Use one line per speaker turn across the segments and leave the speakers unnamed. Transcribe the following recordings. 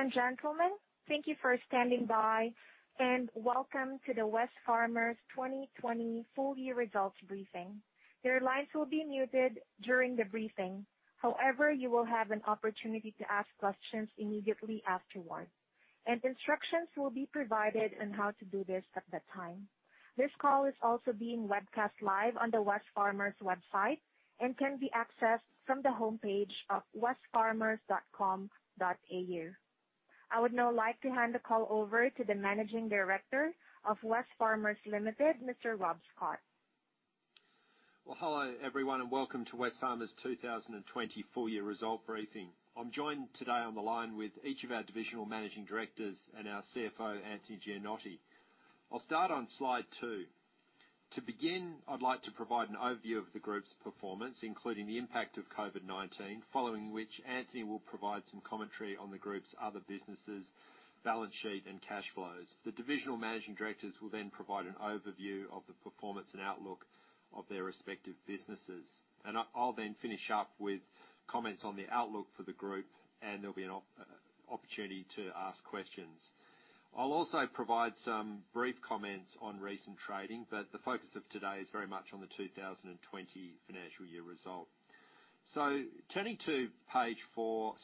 Ladies and gentlemen, thank you for standing by, and welcome to the Wesfarmers 2020 full-year results briefing. Your lines will be muted during the briefing, however, you will have an opportunity to ask questions immediately afterward, and instructions will be provided on how to do this at that time. This call is also being webcast live on the Wesfarmers website and can be accessed from the homepage of wesfarmers.com.au. I would now like to hand the call over to the Managing Director of Wesfarmers, Mr. Rob Scott.
Hello everyone, and welcome to Wesfarmers 2020 full-year result briefing. I'm joined today on the line with each of our divisional Managing Directors and our CFO, Anthony Gianotti. I'll start on slide two. To begin, I'd like to provide an overview of the group's performance, including the impact of COVID-19, following which Anthony will provide some commentary on the group's other businesses, balance sheet, and cash flows. The divisional Managing Directors will then provide an overview of the performance and outlook of their respective businesses, and I'll then finish up with comments on the outlook for the group, and there'll be an opportunity to ask questions. I'll also provide some brief comments on recent trading, but the focus of today is very much on the 2020 financial year result. Turning to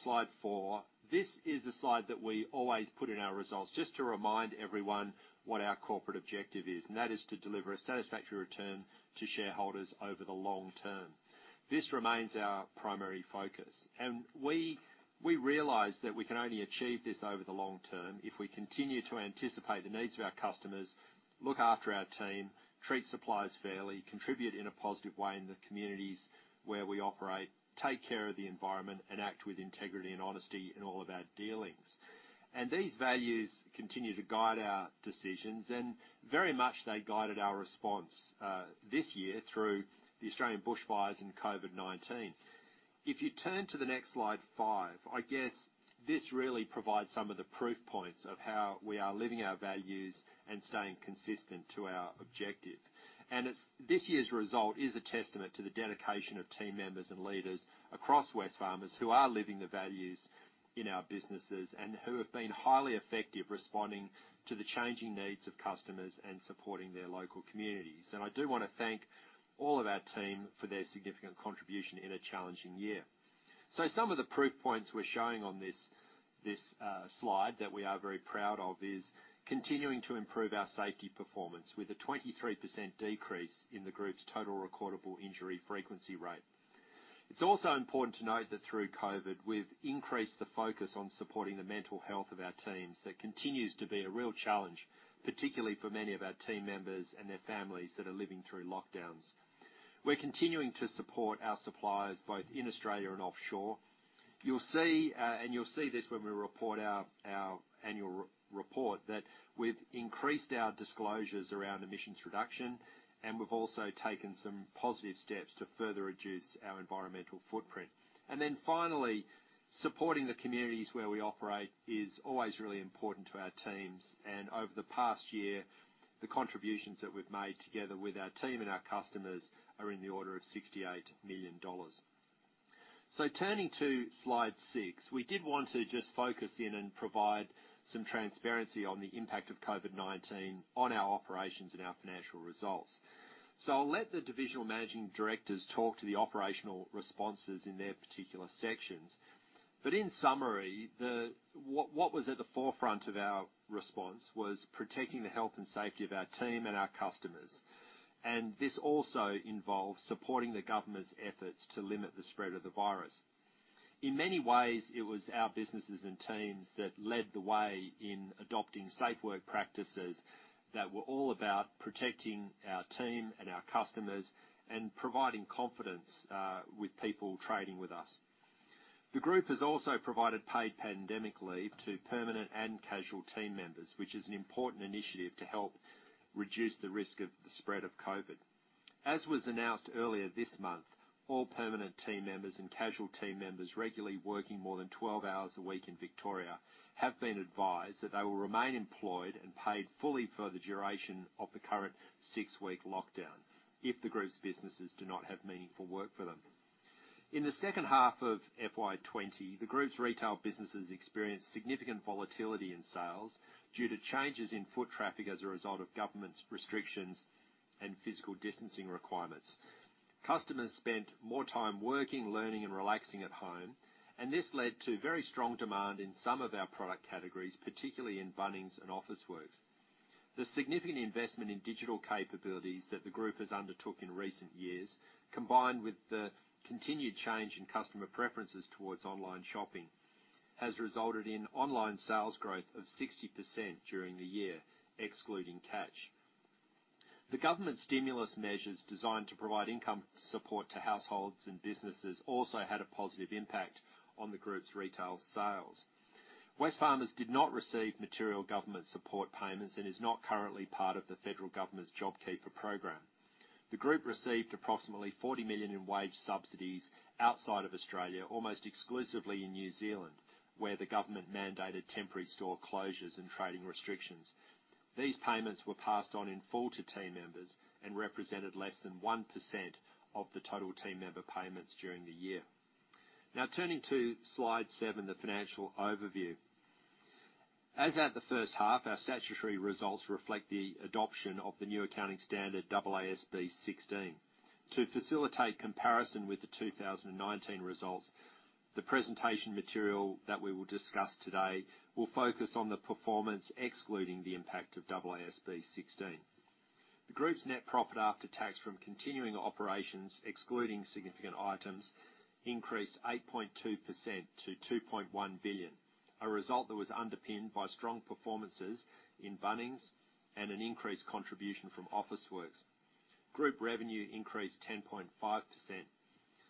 slide four, this is a slide that we always put in our results just to remind everyone what our corporate objective is, and that is to deliver a satisfactory return to shareholders over the long term. This remains our primary focus, and we realize that we can only achieve this over the long term if we continue to anticipate the needs of our customers, look after our team, treat suppliers fairly, contribute in a positive way in the communities where we operate, take care of the environment, and act with integrity and honesty in all of our dealings. These values continue to guide our decisions, and very much they guided our response this year through the Australian bushfires and COVID-19. If you turn to the next slide five, I guess this really provides some of the proof points of how we are living our values and staying consistent to our objective. This year's result is a testament to the dedication of team members and leaders across Wesfarmers who are living the values in our businesses and who have been highly effective responding to the changing needs of customers and supporting their local communities. I do want to thank all of our team for their significant contribution in a challenging year. Some of the proof points we're showing on this slide that we are very proud of is continuing to improve our safety performance with a 23% decrease in the group's total recordable injury frequency rate. It's also important to note that through COVID, we've increased the focus on supporting the mental health of our teams. That continues to be a real challenge, particularly for many of our team members and their families that are living through lockdowns. We're continuing to support our suppliers both in Australia and offshore. You'll see this when we report our annual report that we've increased our disclosures around emissions reduction, and we've also taken some positive steps to further reduce our environmental footprint. Finally, supporting the communities where we operate is always really important to our teams, and over the past year, the contributions that we've made together with our team and our customers are in the order of 68 million dollars. Turning to slide six, we did want to just focus in and provide some transparency on the impact of COVID-19 on our operations and our financial results. I'll let the divisional Managing Directors talk to the operational responses in their particular sections, but in summary, what was at the forefront of our response was protecting the health and safety of our team and our customers, and this also involved supporting the government's efforts to limit the spread of the virus. In many ways, it was our businesses and teams that led the way in adopting safe work practices that were all about protecting our team and our customers and providing confidence with people trading with us. The group has also provided paid pandemic leave to permanent and casual team members, which is an important initiative to help reduce the risk of the spread of COVID. As was announced earlier this month, all permanent team members and casual team members regularly working more than 12 hours a week in Victoria have been advised that they will remain employed and paid fully for the duration of the current six-week lockdown if the group's businesses do not have meaningful work for them. In the second half of FY 2020, the group's retail businesses experienced significant volatility in sales due to changes in foot traffic as a result of government restrictions and physical distancing requirements. Customers spent more time working, learning, and relaxing at home, and this led to very strong demand in some of our product categories, particularly in Bunnings and Officeworks. The significant investment in digital capabilities that the group has undertaken in recent years, combined with the continued change in customer preferences towards online shopping, has resulted in online sales growth of 60% during the year, excluding Catch. The government stimulus measures designed to provide income support to households and businesses also had a positive impact on the group's retail sales. Wesfarmers did not receive material government support payments and is not currently part of the federal government's JobKeeper program. The group received approximately 40 million in wage subsidies outside of Australia, almost exclusively in New Zealand, where the government mandated temporary store closures and trading restrictions. These payments were passed on in full to team members and represented less than 1% of the total team member payments during the year. Now, turning to slide seven, the financial overview. As at the first half, our statutory results reflect the adoption of the new accounting standard AASB 16. To facilitate comparison with the 2019 results, the presentation material that we will discuss today will focus on the performance, excluding the impact of AASB 16. The group's net profit after tax from continuing operations, excluding significant items, increased 8.2% to AUD 2.1 billion, a result that was underpinned by strong performances in Bunnings and an increased contribution from Officeworks. Group revenue increased 10.5%.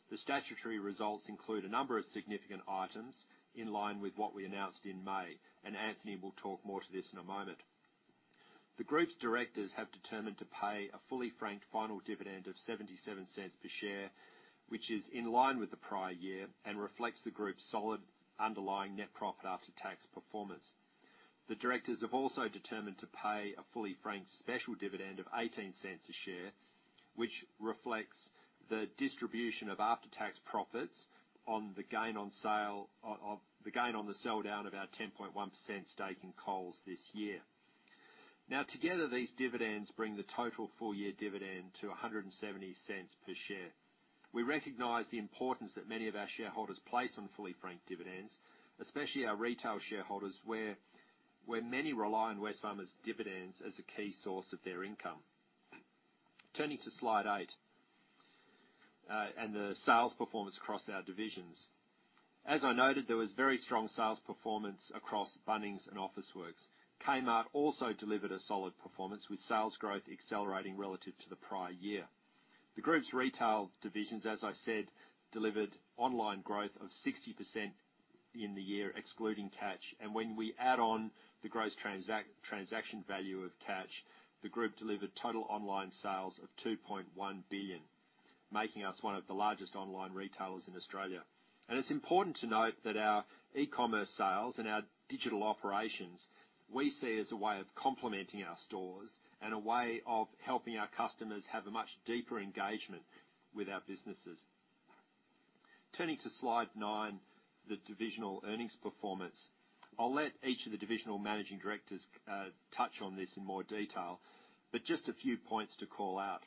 The statutory results include a number of significant items in line with what we announced in May, and Anthony will talk more to this in a moment. The group's directors have determined to pay a fully franked final dividend of 0.77 per share, which is in line with the prior year and reflects the group's solid underlying net profit after tax performance. The directors have also determined to pay a fully franked special dividend of 0.18 per share, which reflects the distribution of after-tax profits on the gain on sale of the gain on the sell-down of our 10.1% stake in Coles this year. Now, together, these dividends bring the total full-year dividend to 1.70 per share. We recognize the importance that many of our shareholders place on fully franked dividends, especially our retail shareholders, where many rely on Wesfarmers' dividends as a key source of their income. Turning to slide eight and the sales performance across our divisions. As I noted, there was very strong sales performance across Bunnings and Officeworks. Kmart also delivered a solid performance, with sales growth accelerating relative to the prior year. The group's retail divisions, as I said, delivered online growth of 60% in the year, excluding Catch, and when we add on the gross transaction value of Catch, the group delivered total online sales of 2.1 billion, making us one of the largest online retailers in Australia. It is important to note that our e-commerce sales and our digital operations, we see as a way of complementing our stores and a way of helping our customers have a much deeper engagement with our businesses. Turning to slide nine, the divisional earnings performance, I'll let each of the divisional Managing Directors touch on this in more detail, but just a few points to call out.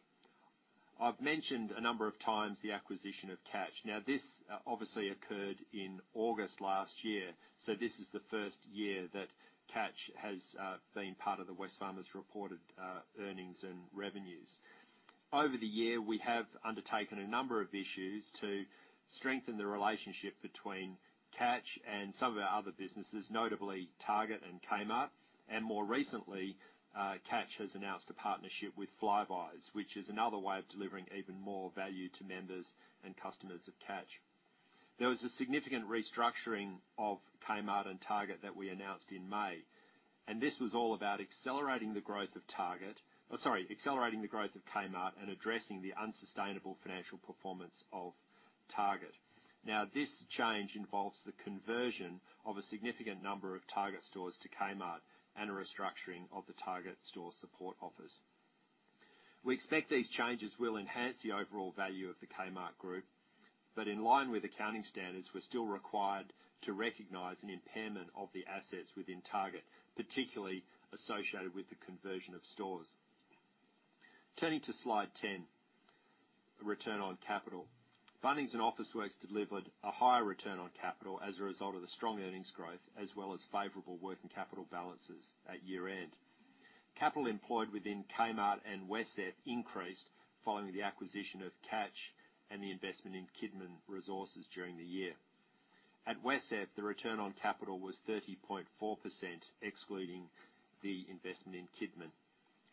I've mentioned a number of times the acquisition of Catch. This obviously occurred in August last year, so this is the first year that Catch has been part of the Wesfarmers reported earnings and revenues. Over the year, we have undertaken a number of issues to strengthen the relationship between Catch and some of our other businesses, notably Target and Kmart, and more recently, Catch has announced a partnership with Flybuys, which is another way of delivering even more value to members and customers of Catch. There was a significant restructuring of Kmart and Target that we announced in May, and this was all about accelerating the growth of Kmart and addressing the unsustainable financial performance of Target. Now, this change involves the conversion of a significant number of Target stores to Kmart and a restructuring of the Target store support office. We expect these changes will enhance the overall value of the Kmart Group, but in line with accounting standards, we're still required to recognize an impairment of the assets within Target, particularly associated with the conversion of stores. Turning to slide ten, return on capital. Bunnings and Officeworks delivered a higher return on capital as a result of the strong earnings growth, as well as favorable working capital balances at year-end. Capital employed within Kmart and Wesfarmers increased following the acquisition of Catch and the investment in Kidman Resources during the year. At Wesfarmers, the return on capital was 30.4%, excluding the investment in Kidman.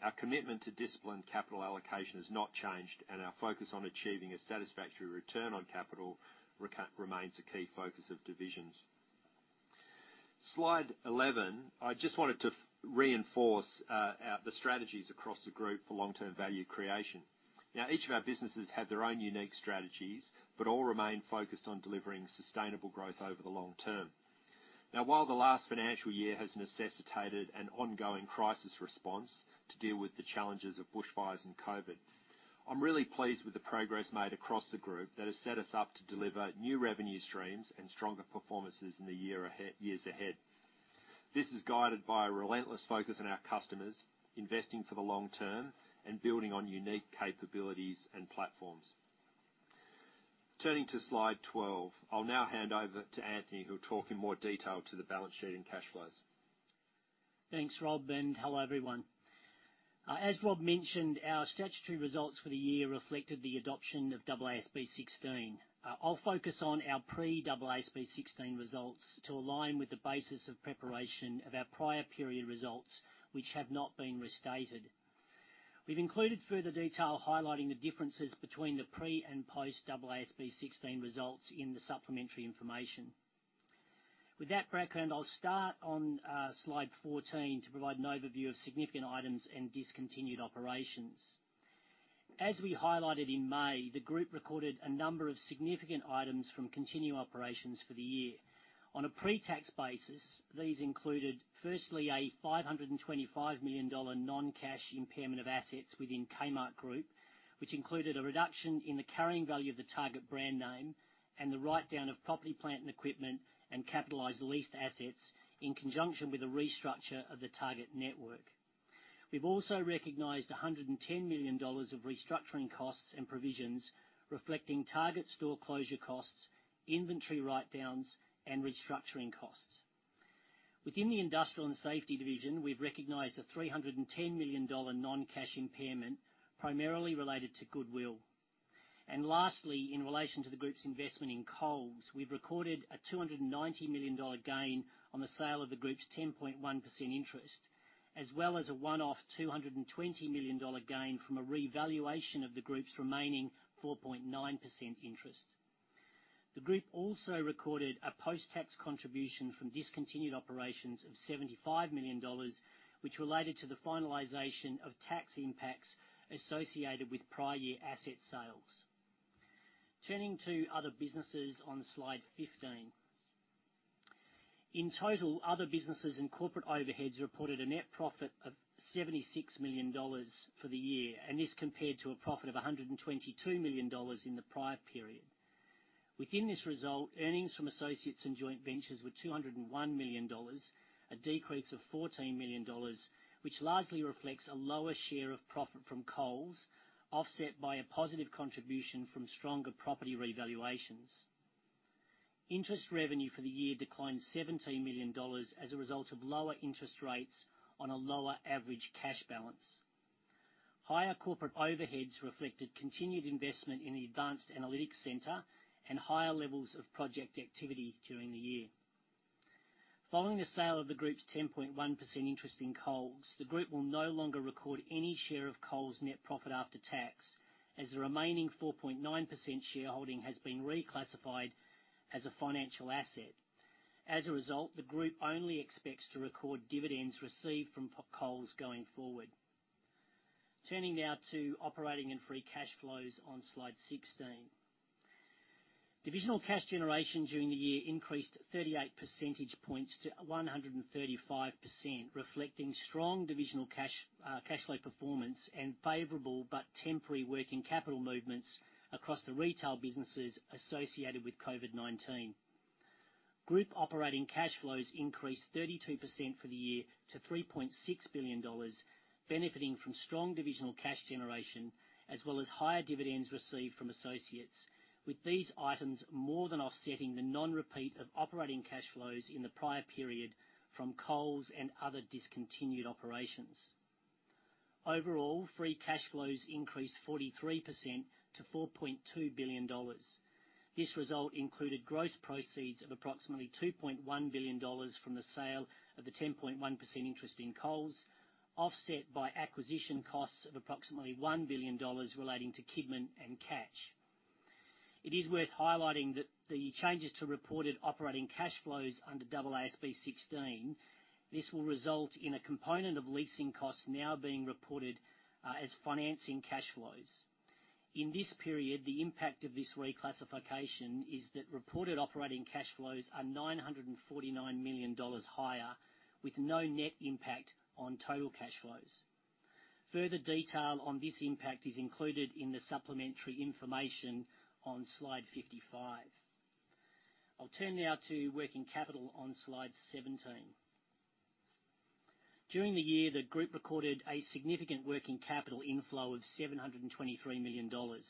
Our commitment to disciplined capital allocation has not changed, and our focus on achieving a satisfactory return on capital remains a key focus of divisions. Slide 11, I just wanted to reinforce the strategies across the group for long-term value creation. Now, each of our businesses had their own unique strategies, but all remained focused on delivering sustainable growth over the long term. Now, while the last financial year has necessitated an ongoing crisis response to deal with the challenges of bushfires and COVID, I'm really pleased with the progress made across the group that has set us up to deliver new revenue streams and stronger performances in the years ahead. This is guided by a relentless focus on our customers, investing for the long term, and building on unique capabilities and platforms. Turning to slide 12, I'll now hand over to Anthony, who'll talk in more detail to the balance sheet and cash flows.
Thanks, Rob, and hello everyone. As Rob mentioned, our statutory results for the year reflected the adoption of AASB 16. I'll focus on our pre-AASB 16 results to align with the basis of preparation of our prior period results, which have not been restated. We've included further detail highlighting the differences between the pre and post-AASB 16 results in the supplementary information. With that background, I'll start on slide 14 to provide an overview of significant items and discontinued operations. As we highlighted in May, the group recorded a number of significant items from continuing operations for the year. On a pre-tax basis, these included, firstly, an 525 million dollar non-cash impairment of assets within Kmart Group, which included a reduction in the carrying value of the Target brand name and the write-down of property, plant, and equipment, and capitalized leased assets in conjunction with a restructure of the Target network. We've also recognized 110 million dollars of restructuring costs and provisions reflecting Target store closure costs, inventory write-downs, and restructuring costs. Within the industrial and safety division, we've recognized an 310 million dollar non-cash impairment, primarily related to goodwill. Lastly, in relation to the group's investment in Coles, we've recorded an AUD 290 million gain on the sale of the group's 10.1% interest, as well as a one-off AUD 220 million gain from a revaluation of the group's remaining 4.9% interest. The group also recorded a post-tax contribution from discontinued operations of 75 million dollars, which related to the finalization of tax impacts associated with prior year asset sales. Turning to other businesses on slide 15, in total, other businesses and corporate overheads reported a net profit of 76 million dollars for the year, and this compared to a profit of 122 million dollars in the prior period. Within this result, earnings from associates and joint ventures were 201 million dollars, a decrease of 14 million dollars, which largely reflects a lower share of profit from Coles, offset by a positive contribution from stronger property revaluations. Interest revenue for the year declined 17 million dollars as a result of lower interest rates on a lower average cash balance. Higher corporate overheads reflected continued investment in the Advanced Analytics Centre and higher levels of project activity during the year. Following the sale of the group's 10.1% interest in Coles, the group will no longer record any share of Coles net profit after tax, as the remaining 4.9% shareholding has been reclassified as a financial asset. As a result, the group only expects to record dividends received from Coles going forward. Turning now to operating and free cash flows on slide 16. Divisional cash generation during the year increased 38 percentage points to 135%, reflecting strong divisional cash flow performance and favorable but temporary working capital movements across the retail businesses associated with COVID-19. Group operating cash flows increased 32% for the year to 3.6 billion dollars, benefiting from strong divisional cash generation, as well as higher dividends received from associates, with these items more than offsetting the non-repeat of operating cash flows in the prior period from Coles and other discontinued operations. Overall, free cash flows increased 43% to 4.2 billion dollars. This result included gross proceeds of approximately 2.1 billion dollars from the sale of the 10.1% interest in Coles, offset by acquisition costs of approximately 1 billion dollars relating to Kidman Resources and Catch. It is worth highlighting that the changes to reported operating cash flows under AASB 16, this will result in a component of leasing costs now being reported as financing cash flows. In this period, the impact of this reclassification is that reported operating cash flows are 949 million dollars higher, with no net impact on total cash flows. Further detail on this impact is included in the supplementary information on slide 55. I'll turn now to working capital on slide 17. During the year, the group recorded a significant working capital inflow of 723 million dollars.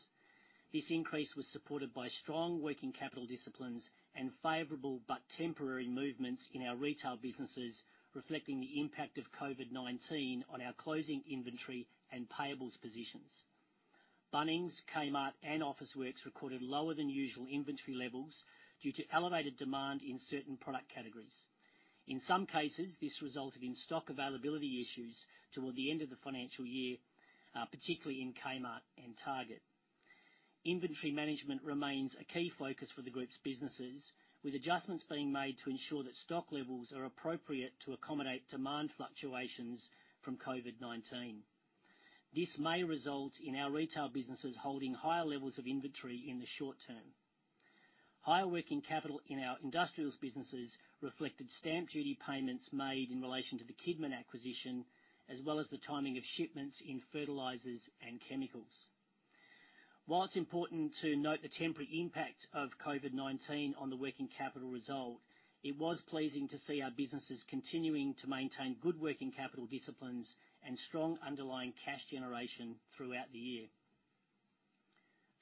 This increase was supported by strong working capital disciplines and favorable but temporary movements in our retail businesses, reflecting the impact of COVID-19 on our closing inventory and payables positions. Bunnings, Kmart, and Officeworks recorded lower than usual inventory levels due to elevated demand in certain product categories. In some cases, this resulted in stock availability issues toward the end of the financial year, particularly in Kmart and Target. Inventory management remains a key focus for the group's businesses, with adjustments being made to ensure that stock levels are appropriate to accommodate demand fluctuations from COVID-19. This may result in our retail businesses holding higher levels of inventory in the short term. Higher working capital in our industrials businesses reflected stamp duty payments made in relation to the Kidman acquisition, as well as the timing of shipments in fertilizers and chemicals. While it's important to note the temporary impact of COVID-19 on the working capital result, it was pleasing to see our businesses continuing to maintain good working capital disciplines and strong underlying cash generation throughout the year.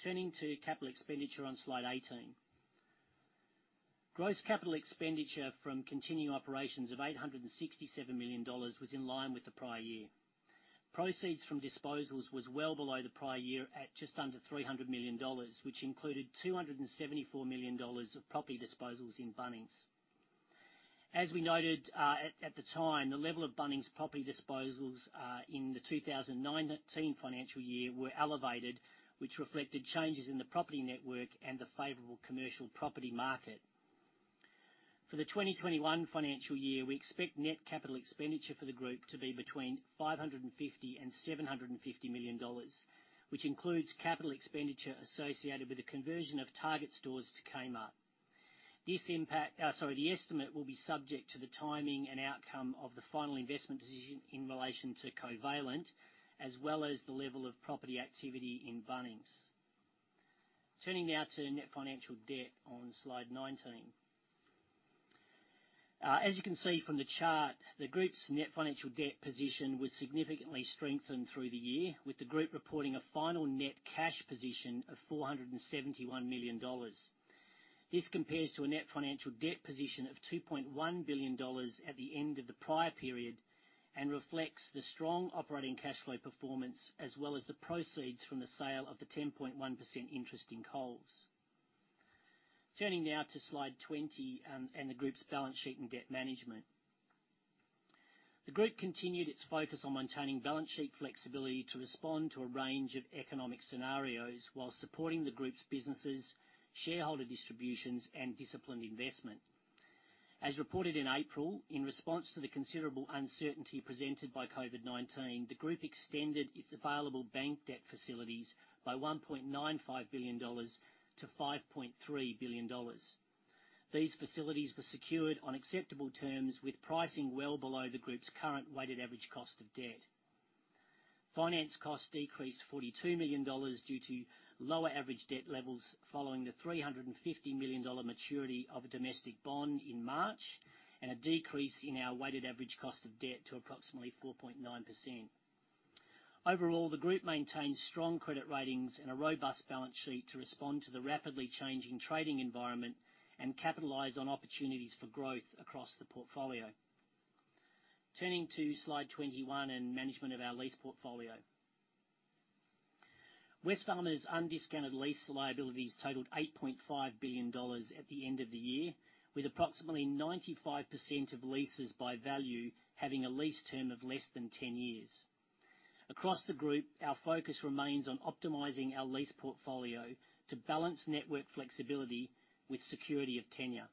Turning to capital expenditure on slide 18. Gross capital expenditure from continuing operations of 867 million dollars was in line with the prior year. Proceeds from disposals was well below the prior year at just under 300 million dollars, which included 274 million dollars of property disposals in Bunnings. As we noted at the time, the level of Bunnings property disposals in the 2019 financial year were elevated, which reflected changes in the property network and the favorable commercial property market. For the 2021 financial year, we expect net capital expenditure for the group to be between 550 million and 750 million dollars, which includes capital expenditure associated with the conversion of Target stores to Kmart. This impact, sorry, the estimate will be subject to the timing and outcome of the final investment decision in relation to Covalent, as well as the level of property activity in Bunnings. Turning now to net financial debt on slide 19. As you can see from the chart, the group's net financial debt position was significantly strengthened through the year, with the group reporting a final net cash position of 471 million dollars. This compares to a net financial debt position of 2.1 billion dollars at the end of the prior period and reflects the strong operating cash flow performance, as well as the proceeds from the sale of the 10.1% interest in Coles. Turning now to slide 20 and the group's balance sheet and debt management. The group continued its focus on maintaining balance sheet flexibility to respond to a range of economic scenarios while supporting the group's businesses, shareholder distributions, and disciplined investment. As reported in April, in response to the considerable uncertainty presented by COVID-19, the group extended its available bank debt facilities by 1.95 billion dollars to 5.3 billion dollars. These facilities were secured on acceptable terms, with pricing well below the group's current weighted average cost of debt. Finance costs decreased 42 million dollars due to lower average debt levels following the 350 million dollar maturity of a domestic bond in March and a decrease in our weighted average cost of debt to approximately 4.9%. Overall, the group maintains strong credit ratings and a robust balance sheet to respond to the rapidly changing trading environment and capitalize on opportunities for growth across the portfolio. Turning to slide 21 and management of our lease portfolio. Wesfarmers' undiscounted lease liabilities totaled 8.5 billion dollars at the end of the year, with approximately 95% of leases by value having a lease term of less than 10 years. Across the group, our focus remains on optimizing our lease portfolio to balance network flexibility with security of tenure.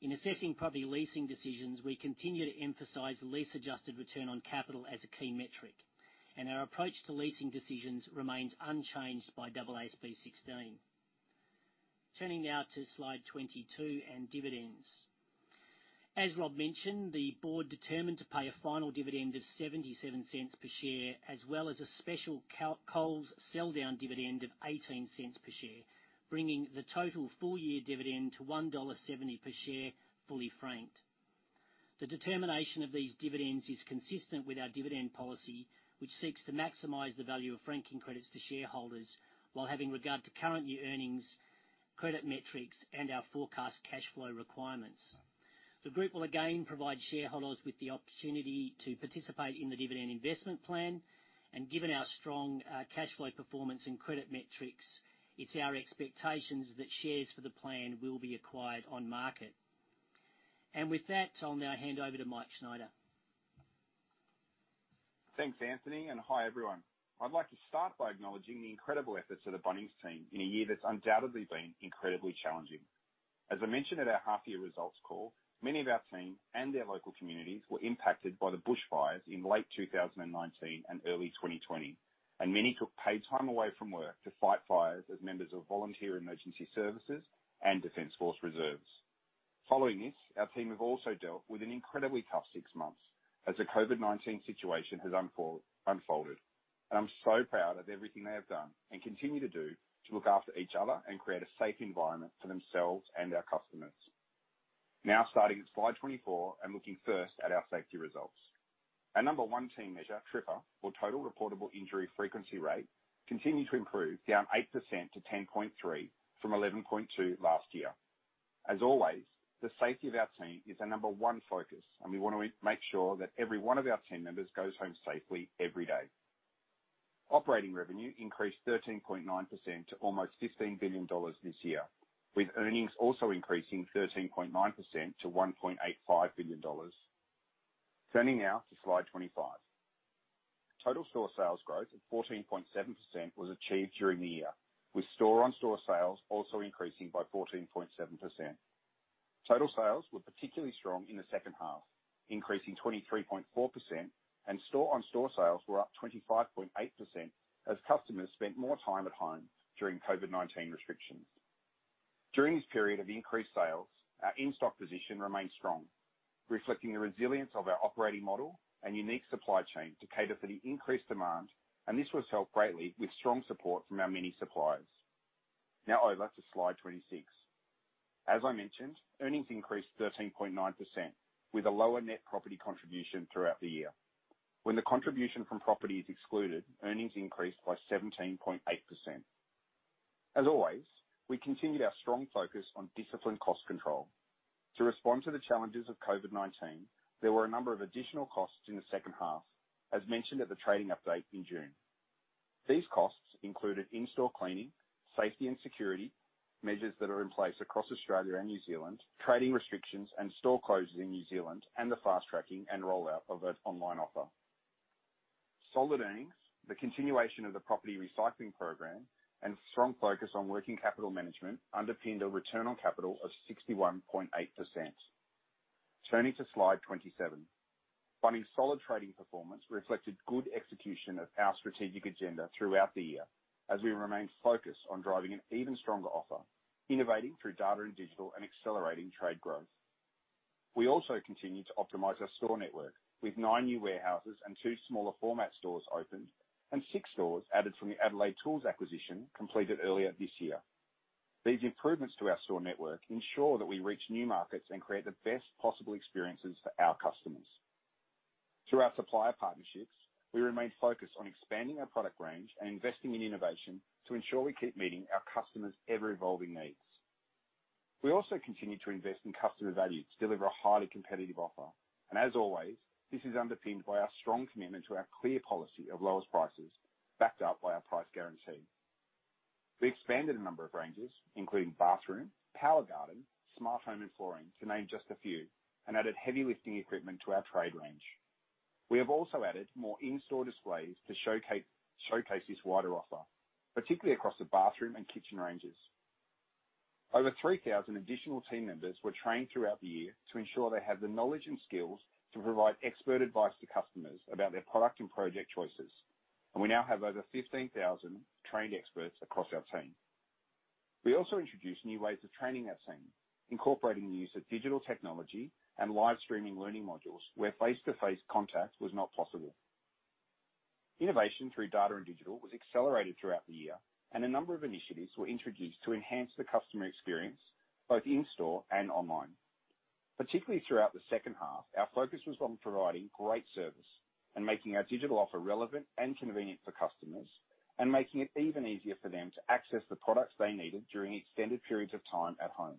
In assessing property leasing decisions, we continue to emphasize lease-adjusted return on capital as a key metric, and our approach to leasing decisions remains unchanged by AASB 16. Turning now to slide 22 and dividends. As Rob mentioned, the board determined to pay a final dividend of 0.77 per share, as well as a special Coles sell-down dividend of 0.18 per share, bringing the total full-year dividend to 1.70 dollar per share fully franked. The determination of these dividends is consistent with our dividend policy, which seeks to maximize the value of franking credits to shareholders while having regard to current year earnings, credit metrics, and our forecast cash flow requirements. The group will again provide shareholders with the opportunity to participate in the dividend investment plan, and given our strong cash flow performance and credit metrics, it is our expectations that shares for the plan will be acquired on market. I will now hand over to Mike Schneider.
Thanks, Anthony, and hi everyone. I'd like to start by acknowledging the incredible efforts of the Bunnings team in a year that's undoubtedly been incredibly challenging. As I mentioned at our half-year results call, many of our team and their local communities were impacted by the bushfires in late 2019 and early 2020, and many took paid time away from work to fight fires as members of volunteer emergency services and Defence Force Reserves. Following this, our team have also dealt with an incredibly tough six months as the COVID-19 situation has unfolded, and I'm so proud of everything they have done and continue to do to look after each other and create a safe environment for themselves and their customers. Now, starting at slide 24 and looking first at our safety results. Our number one team measure, TRIFR, or total recordable injury frequency rate, continued to improve, down 8% to 10.3 from 11.2 last year. As always, the safety of our team is our number one focus, and we want to make sure that every one of our team members goes home safely every day. Operating revenue increased 13.9% to almost 15 billion dollars this year, with earnings also increasing 13.9% to 1.85 billion dollars. Turning now to slide 25. Total store sales growth of 14.7% was achieved during the year, with store-on-store sales also increasing by 14.7%. Total sales were particularly strong in the second half, increasing 23.4%, and store-on-store sales were up 25.8% as customers spent more time at home during COVID-19 restrictions. During this period of increased sales, our in-stock position remained strong, reflecting the resilience of our operating model and unique supply chain to cater for the increased demand, and this was helped greatly with strong support from our many suppliers. Now over to slide 26. As I mentioned, earnings increased 13.9% with a lower net property contribution throughout the year. When the contribution from property is excluded, earnings increased by 17.8%. As always, we continued our strong focus on disciplined cost control. To respond to the challenges of COVID-19, there were a number of additional costs in the second half, as mentioned at the trading update in June. These costs included in-store cleaning, safety and security measures that are in place across Australia and New Zealand, trading restrictions and store closes in New Zealand, and the fast-tracking and rollout of an online offer. Solid earnings, the continuation of the property recycling program, and strong focus on working capital management underpinned a return on capital of 61.8%. Turning to slide 27. Bunnings' solid trading performance reflected good execution of our strategic agenda throughout the year, as we remained focused on driving an even stronger offer, innovating through data and digital, and accelerating trade growth. We also continued to optimize our store network with nine new warehouses and two smaller format stores opened, and six stores added from the Adelaide Tools acquisition completed earlier this year. These improvements to our store network ensure that we reach new markets and create the best possible experiences for our customers. Through our supplier partnerships, we remained focused on expanding our product range and investing in innovation to ensure we keep meeting our customers' ever-evolving needs. We also continue to invest in customer value to deliver a highly competitive offer, and as always, this is underpinned by our strong commitment to our clear policy of lowest prices, backed up by our price guarantee. We expanded a number of ranges, including bathroom, power garden, smart home, and flooring, to name just a few, and added heavy lifting equipment to our trade range. We have also added more in-store displays to showcase this wider offer, particularly across the bathroom and kitchen ranges. Over 3,000 additional team members were trained throughout the year to ensure they have the knowledge and skills to provide expert advice to customers about their product and project choices, and we now have over 15,000 trained experts across our team. We also introduced new ways of training our team, incorporating the use of digital technology and live streaming learning modules where face-to-face contact was not possible. Innovation through data and digital was accelerated throughout the year, and a number of initiatives were introduced to enhance the customer experience both in-store and online. Particularly throughout the second half, our focus was on providing great service and making our digital offer relevant and convenient for customers, and making it even easier for them to access the products they needed during extended periods of time at home.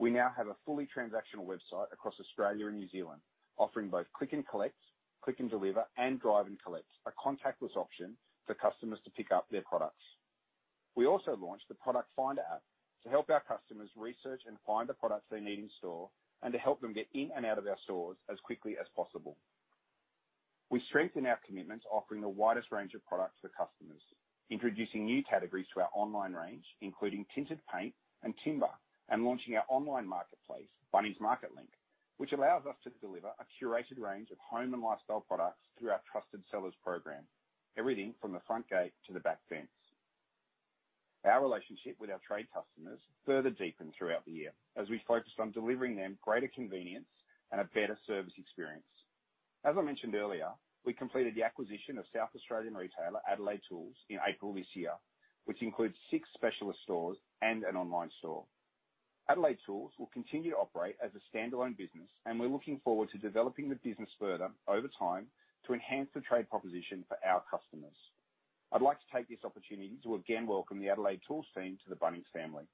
We now have a fully transactional website across Australia and New Zealand, offering both Click and Collect, Click and Deliver, and Drive and Collect, a contactless option for customers to pick up their products. We also launched the Product Finder App to help our customers research and find the products they need in store and to help them get in and out of our stores as quickly as possible. We strengthen our commitment to offering the widest range of products for customers, introducing new categories to our online range, including tinted paint and timber, and launching our online marketplace, Bunnings MarketLink, which allows us to deliver a curated range of home and lifestyle products through our trusted sellers program, everything from the front gate to the back fence. Our relationship with our trade customers further deepened throughout the year as we focused on delivering them greater convenience and a better service experience. As I mentioned earlier, we completed the acquisition of South Australian retailer Adelaide Tools in April this year, which includes six specialist stores and an online store. Adelaide Tools will continue to operate as a standalone business, and we're looking forward to developing the business further over time to enhance the trade proposition for our customers. I'd like to take this opportunity to again welcome the Adelaide Tools team to the Bunnings family.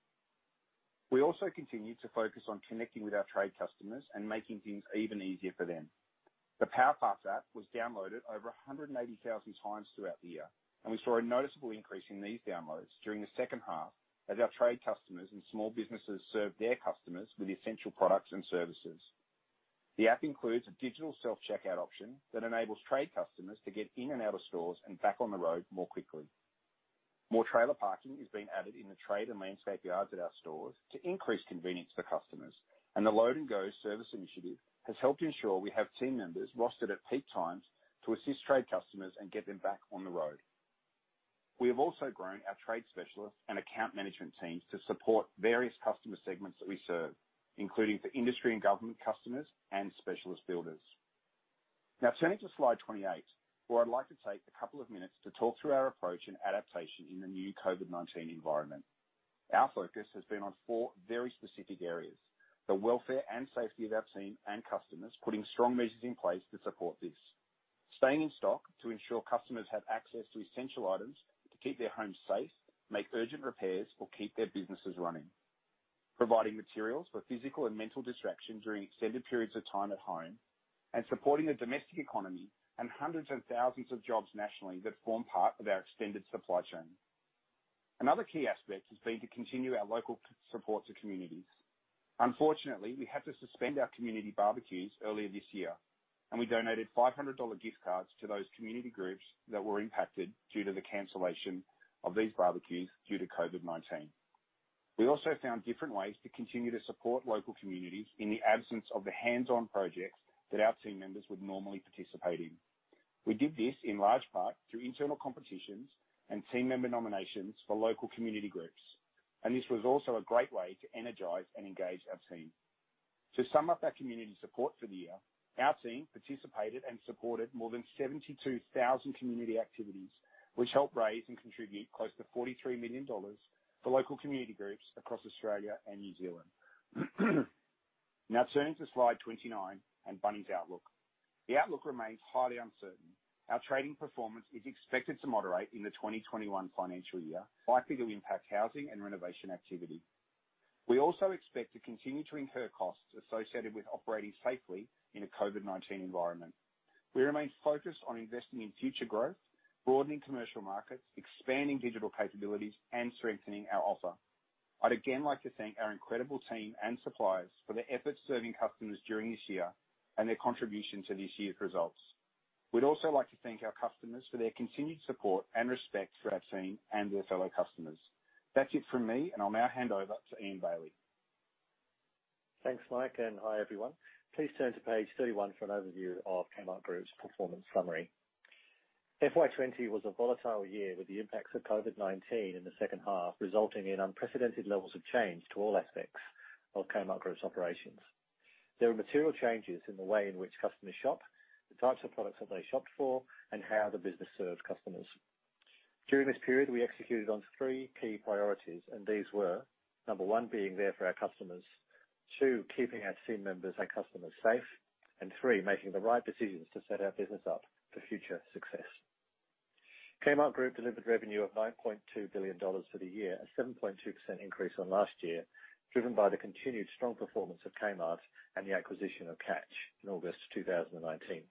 We also continue to focus on connecting with our trade customers and making things even easier for them. The PowerPass App was downloaded over 180,000 times throughout the year, and we saw a noticeable increase in these downloads during the second half as our trade customers and small businesses served their customers with essential products and services. The app includes a digital self-checkout option that enables trade customers to get in and out of stores and back on the road more quickly. More trailer parking has been added in the trade and landscape yards at our stores to increase convenience for customers, and the Load and Go service initiative has helped ensure we have team members rostered at peak times to assist trade customers and get them back on the road. We have also grown our trade specialists and account management teams to support various customer segments that we serve, including for industry and government customers and specialist builders. Now, turning to slide 28, where I would like to take a couple of minutes to talk through our approach and adaptation in the new COVID-19 environment. Our focus has been on four very specific areas: the welfare and safety of our team and customers, putting strong measures in place to support this. Staying in stock to ensure customers have access to essential items to keep their homes safe, make urgent repairs, or keep their businesses running. Providing materials for physical and mental distraction during extended periods of time at home. Supporting the domestic economy and hundreds and thousands of jobs nationally that form part of our extended supply chain. Another key aspect has been to continue our local support to communities. Unfortunately, we had to suspend our community barbecues earlier this year, and we donated 500 dollar gift cards to those community groups that were impacted due to the cancellation of these barbecues due to COVID-19. We also found different ways to continue to support local communities in the absence of the hands-on projects that our team members would normally participate in. We did this in large part through internal competitions and team member nominations for local community groups, and this was also a great way to energize and engage our team. To sum up our community support for the year, our team participated and supported more than 72,000 community activities, which helped raise and contribute close to 43 million dollars for local community groups across Australia and New Zealand. Now, turning to slide 29 and Bunnings Outlook. The outlook remains highly uncertain. Our trading performance is expected to moderate in the 2021 financial year, likely to impact housing and renovation activity. We also expect to continue to incur costs associated with operating safely in a COVID-19 environment. We remain focused on investing in future growth, broadening commercial markets, expanding digital capabilities, and strengthening our offer. I'd again like to thank our incredible team and suppliers for their efforts serving customers during this year and their contribution to this year's results. We'd also like to thank our customers for their continued support and respect for our team and their fellow customers. That's it from me, and I'll now hand over to Ian Bailey.
Thanks, Mike, and hi everyone. Please turn to page 31 for an overview of Kmart Group's performance summary. FY 2020 was a volatile year with the impacts of COVID-19 in the second half, resulting in unprecedented levels of change to all aspects of Kmart Group's operations. There were material changes in the way in which customers shop, the types of products that they shop for, and how the business serves customers. During this period, we executed on three key priorities, and these were number one being there for our customers, two keeping our team members, our customers safe, and three making the right decisions to set our business up for future success. Kmart Group delivered revenue of 9.2 billion dollars for the year, a 7.2% increase on last year, driven by the continued strong performance of Kmart and the acquisition of Catch in August 2019.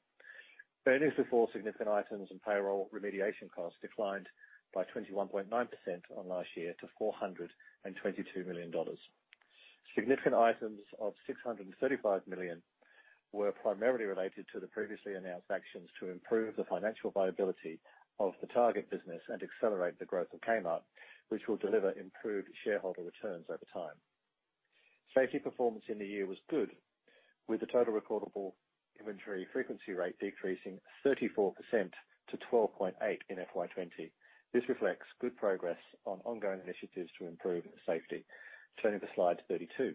Earnings before significant items and payroll remediation costs declined by 21.9% on last year to 422 million dollars. Significant items of 635 million were primarily related to the previously announced actions to improve the financial viability of the Target business and accelerate the growth of Kmart, which will deliver improved shareholder returns over time. Safety performance in the year was good, with the total recordable injury frequency rate decreasing 34% to 12.8 in FY 2020. This reflects good progress on ongoing initiatives to improve safety. Turning to slide 32.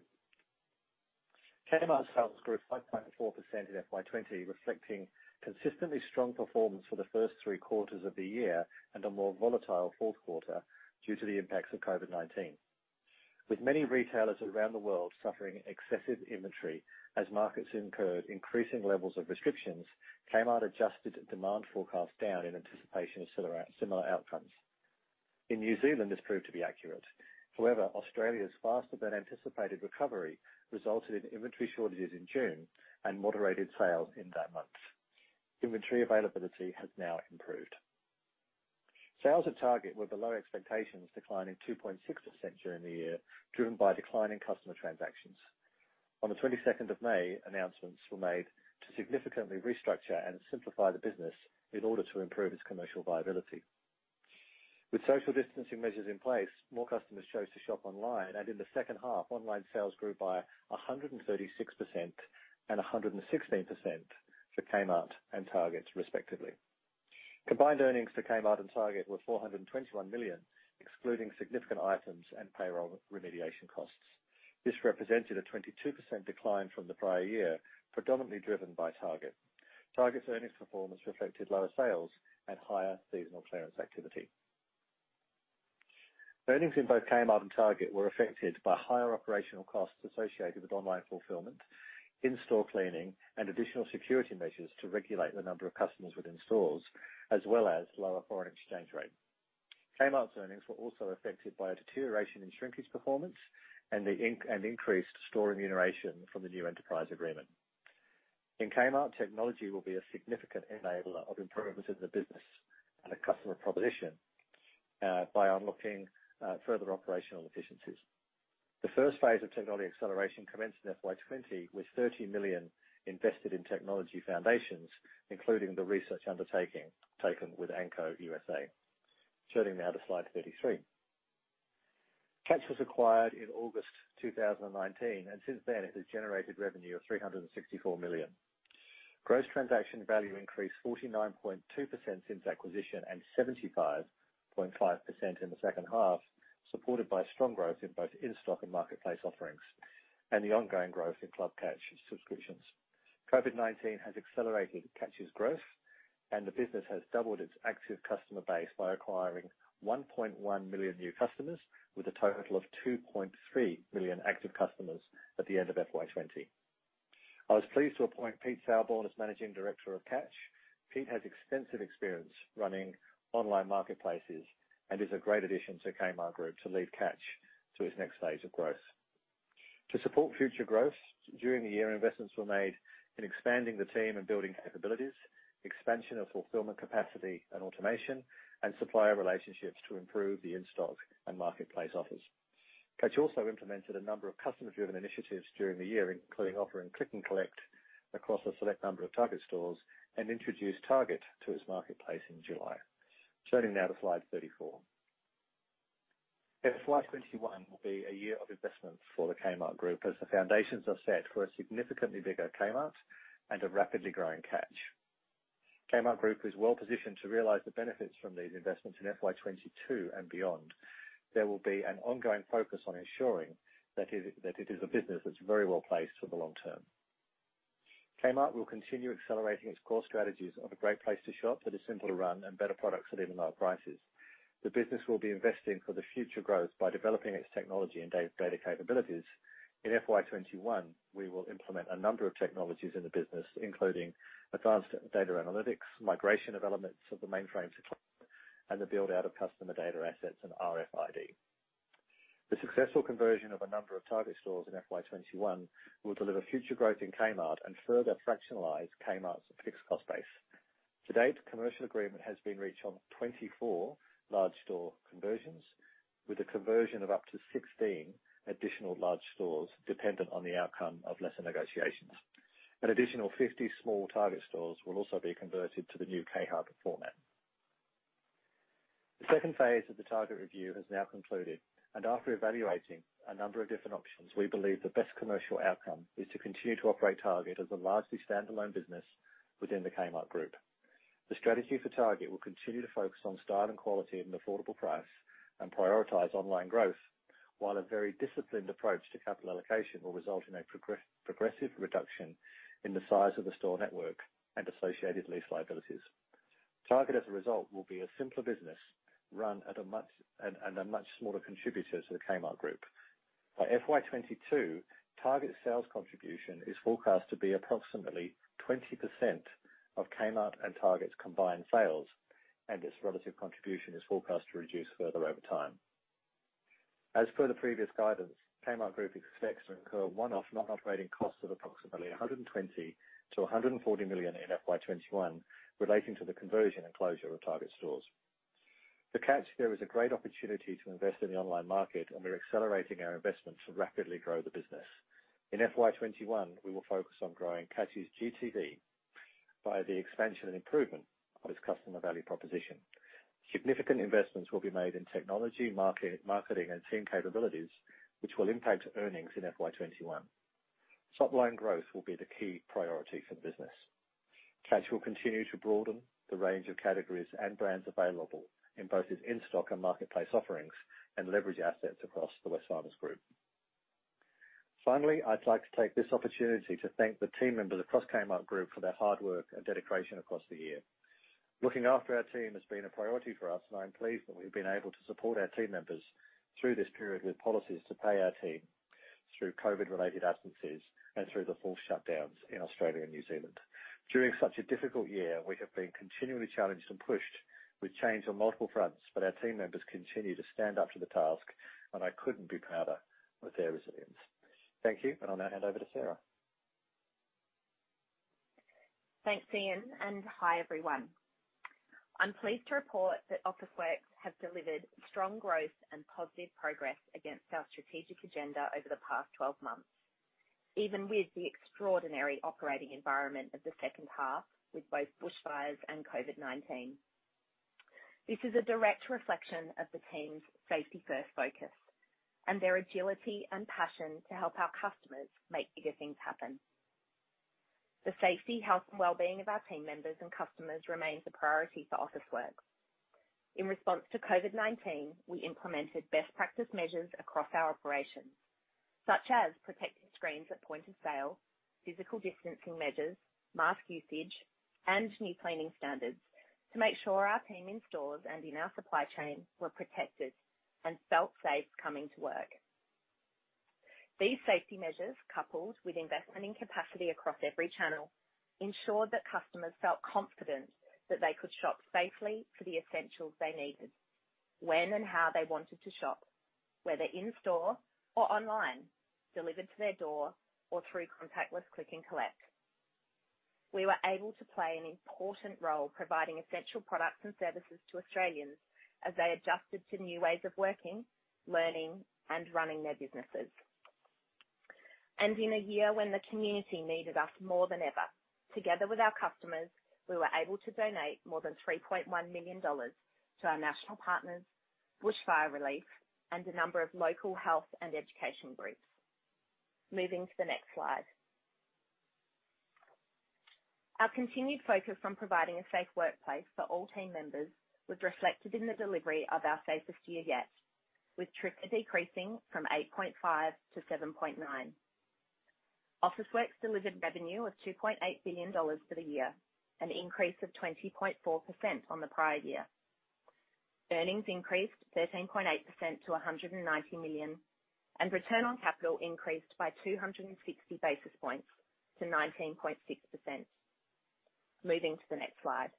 Kmart's sales grew 5.4% in FY 2020, reflecting consistently strong performance for the first three quarters of the year and a more volatile fourth quarter due to the impacts of COVID-19. With many retailers around the world suffering excessive inventory as markets incurred increasing levels of restrictions, Kmart adjusted demand forecasts down in anticipation of similar outcomes. In New Zealand, this proved to be accurate. However, Australia's faster-than-anticipated recovery resulted in inventory shortages in June and moderated sales in that month. Inventory availability has now improved. Sales at Target were below expectations, declining 2.6% during the year, driven by declining customer transactions. On the 22nd of May, announcements were made to significantly restructure and simplify the business in order to improve its commercial viability. With social distancing measures in place, more customers chose to shop online, and in the second half, online sales grew by 136% and 116% for Kmart and Target, respectively. Combined earnings for Kmart and Target were 421 million, excluding significant items and payroll remediation costs. This represented a 22% decline from the prior year, predominantly driven by Target. Target's earnings performance reflected lower sales and higher seasonal clearance activity. Earnings in both Kmart and Target were affected by higher operational costs associated with online fulfillment, in-store cleaning, and additional security measures to regulate the number of customers within stores, as well as lower foreign exchange rate. Kmart's earnings were also affected by a deterioration in shrinkage performance and increased store remuneration from the new enterprise agreement. In Kmart, technology will be a significant enabler of improvements in the business and the customer proposition by unlocking further operational efficiencies. The first phase of technology acceleration commenced in FY 2020, with 30 million invested in technology foundations, including the research undertaking taken with Anko U.S.A. Turning now to slide 33. Catch was acquired in August 2019, and since then, it has generated revenue of 364 million. Gross transaction value increased 49.2% since acquisition and 75.5% in the second half, supported by strong growth in both in-stock and marketplace offerings and the ongoing growth in Club Catch subscriptions. COVID-19 has accelerated Catch's growth, and the business has doubled its active customer base by acquiring 1.1 million new customers, with a total of 2.3 million active customers at the end of FY 2020. I was pleased to appoint Pete Sauerborn as Managing Director of Catch. Pete has extensive experience running online marketplaces and is a great addition to Kmart Group to lead Catch to its next phase of growth. To support future growth during the year, investments were made in expanding the team and building capabilities, expansion of fulfillment capacity and automation, and supplier relationships to improve the in-stock and marketplace offers. Catch also implemented a number of customer-driven initiatives during the year, including offering Click and Collect across a select number of Target stores and introduced Target to its marketplace in July. Turning now to slide 34. FY 2021 will be a year of investments for the Kmart Group as the foundations are set for a significantly bigger Kmart and a rapidly growing Catch. Kmart Group is well positioned to realize the benefits from these investments in FY 2022 and beyond. There will be an ongoing focus on ensuring that it is a business that's very well placed for the long term. Kmart will continue accelerating its core strategies of a great place to shop that is simple to run and better products at even lower prices. The business will be investing for the future growth by developing its technology and data capabilities. In FY 2021, we will implement a number of technologies in the business, including advanced data analytics, migration of elements of the mainframe to cloud, and the build-out of customer data assets and RFID. The successful conversion of a number of Target stores in FY 2021 will deliver future growth in Kmart and further fractionalize Kmart's fixed cost base. To date, the commercial agreement has been reached on 24 large store conversions, with a conversion of up to 16 additional large stores dependent on the outcome of lesser negotiations. An additional 50 small Target stores will also be converted to the new Kmart format. The second phase of the Target review has now concluded, and after evaluating a number of different options, we believe the best commercial outcome is to continue to operate Target as a largely standalone business within the Kmart Group. The strategy for Target will continue to focus on style and quality at an affordable price and prioritize online growth, while a very disciplined approach to capital allocation will result in a progressive reduction in the size of the store network and associated lease liabilities. Target, as a result, will be a simpler business run and a much smaller contributor to the Kmart Group. By FY 2022, Target's sales contribution is forecast to be approximately 20% of Kmart and Target's combined sales, and its relative contribution is forecast to reduce further over time. As per the previous guidance, Kmart Group expects to incur one-off non-operating costs of approximately 120 million-140 million in FY 2021 relating to the conversion and closure of Target stores. For Catch, there is a great opportunity to invest in the online market, and we're accelerating our investment to rapidly grow the business. In FY 2021, we will focus on growing Catch's GTV by the expansion and improvement of its customer value proposition. Significant investments will be made in technology, marketing, and team capabilities, which will impact earnings in FY 2021. Top-line growth will be the key priority for the business. Catch will continue to broaden the range of categories and brands available in both its in-stock and marketplace offerings and leverage assets across the Wesfarmers Group. Finally, I'd like to take this opportunity to thank the team members across Kmart Group for their hard work and dedication across the year. Looking after our team has been a priority for us, and I'm pleased that we've been able to support our team members through this period with policies to pay our team through COVID-related absences and through the full shutdowns in Australia and New Zealand. During such a difficult year, we have been continually challenged and pushed with change on multiple fronts, but our team members continue to stand up to the task, and I couldn't be prouder of their resilience. Thank you, and I'll now hand over to Sarah.
Thanks, Ian, and hi everyone. I'm pleased to report that Officeworks have delivered strong growth and positive progress against our strategic agenda over the past 12 months, even with the extraordinary operating environment of the second half, with both bushfires and COVID-19. This is a direct reflection of the team's safety-first focus and their agility and passion to help our customers make bigger things happen. The safety, health, and well-being of our team members and customers remains a priority for Officeworks. In response to COVID-19, we implemented best practice measures across our operations, such as protective screens at point of sale, physical distancing measures, mask usage, and new cleaning standards to make sure our team in stores and in our supply chain were protected and felt safe coming to work. These safety measures, coupled with investment in capacity across every channel, ensured that customers felt confident that they could shop safely for the essentials they needed when and how they wanted to shop, whether in-store or online, delivered to their door, or through contactless Click and Collect. We were able to play an important role providing essential products and services to Australians as they adjusted to new ways of working, learning, and running their businesses. In a year when the community needed us more than ever, together with our customers, we were able to donate more than 3.1 million dollars to our national partners, bushfire relief, and a number of local health and education groups. Moving to the next slide. Our continued focus on providing a safe workplace for all team members was reflected in the delivery of our safest year yet, with TRIFR decreasing from 8.5 to 7.9. Officeworks delivered revenue of 2.8 billion dollars for the year, an increase of 20.4% on the prior year. Earnings increased 13.8% to 190 million, and return on capital increased by 260 basis points to 19.6%. Moving to the next slide.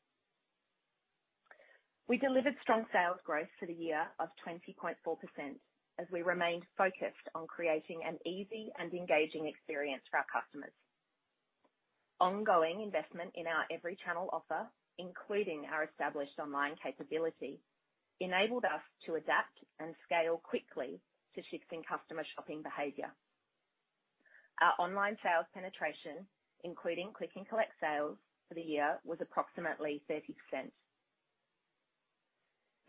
We delivered strong sales growth for the year of 20.4% as we remained focused on creating an easy and engaging experience for our customers. Ongoing investment in our every channel offer, including our established online capability, enabled us to adapt and scale quickly to shifting customer shopping behavior. Our online sales penetration, including Click and Collect sales for the year, was approximately 30%.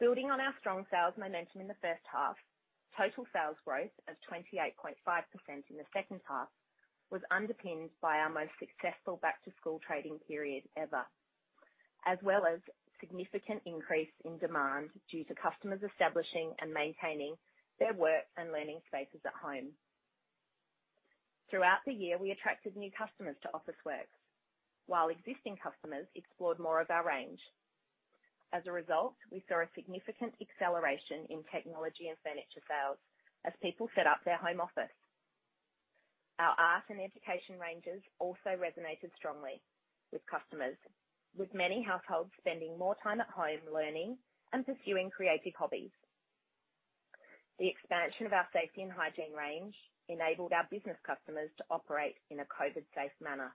Building on our strong sales momentum in the first half, total sales growth of 28.5% in the second half was underpinned by our most successful back-to-school trading period ever, as well as a significant increase in demand due to customers establishing and maintaining their work and learning spaces at home. Throughout the year, we attracted new customers to Officeworks, while existing customers explored more of our range. As a result, we saw a significant acceleration in technology and furniture sales as people set up their home office. Our art and education ranges also resonated strongly with customers, with many households spending more time at home learning and pursuing creative hobbies. The expansion of our safety and hygiene range enabled our business customers to operate in a COVID-safe manner.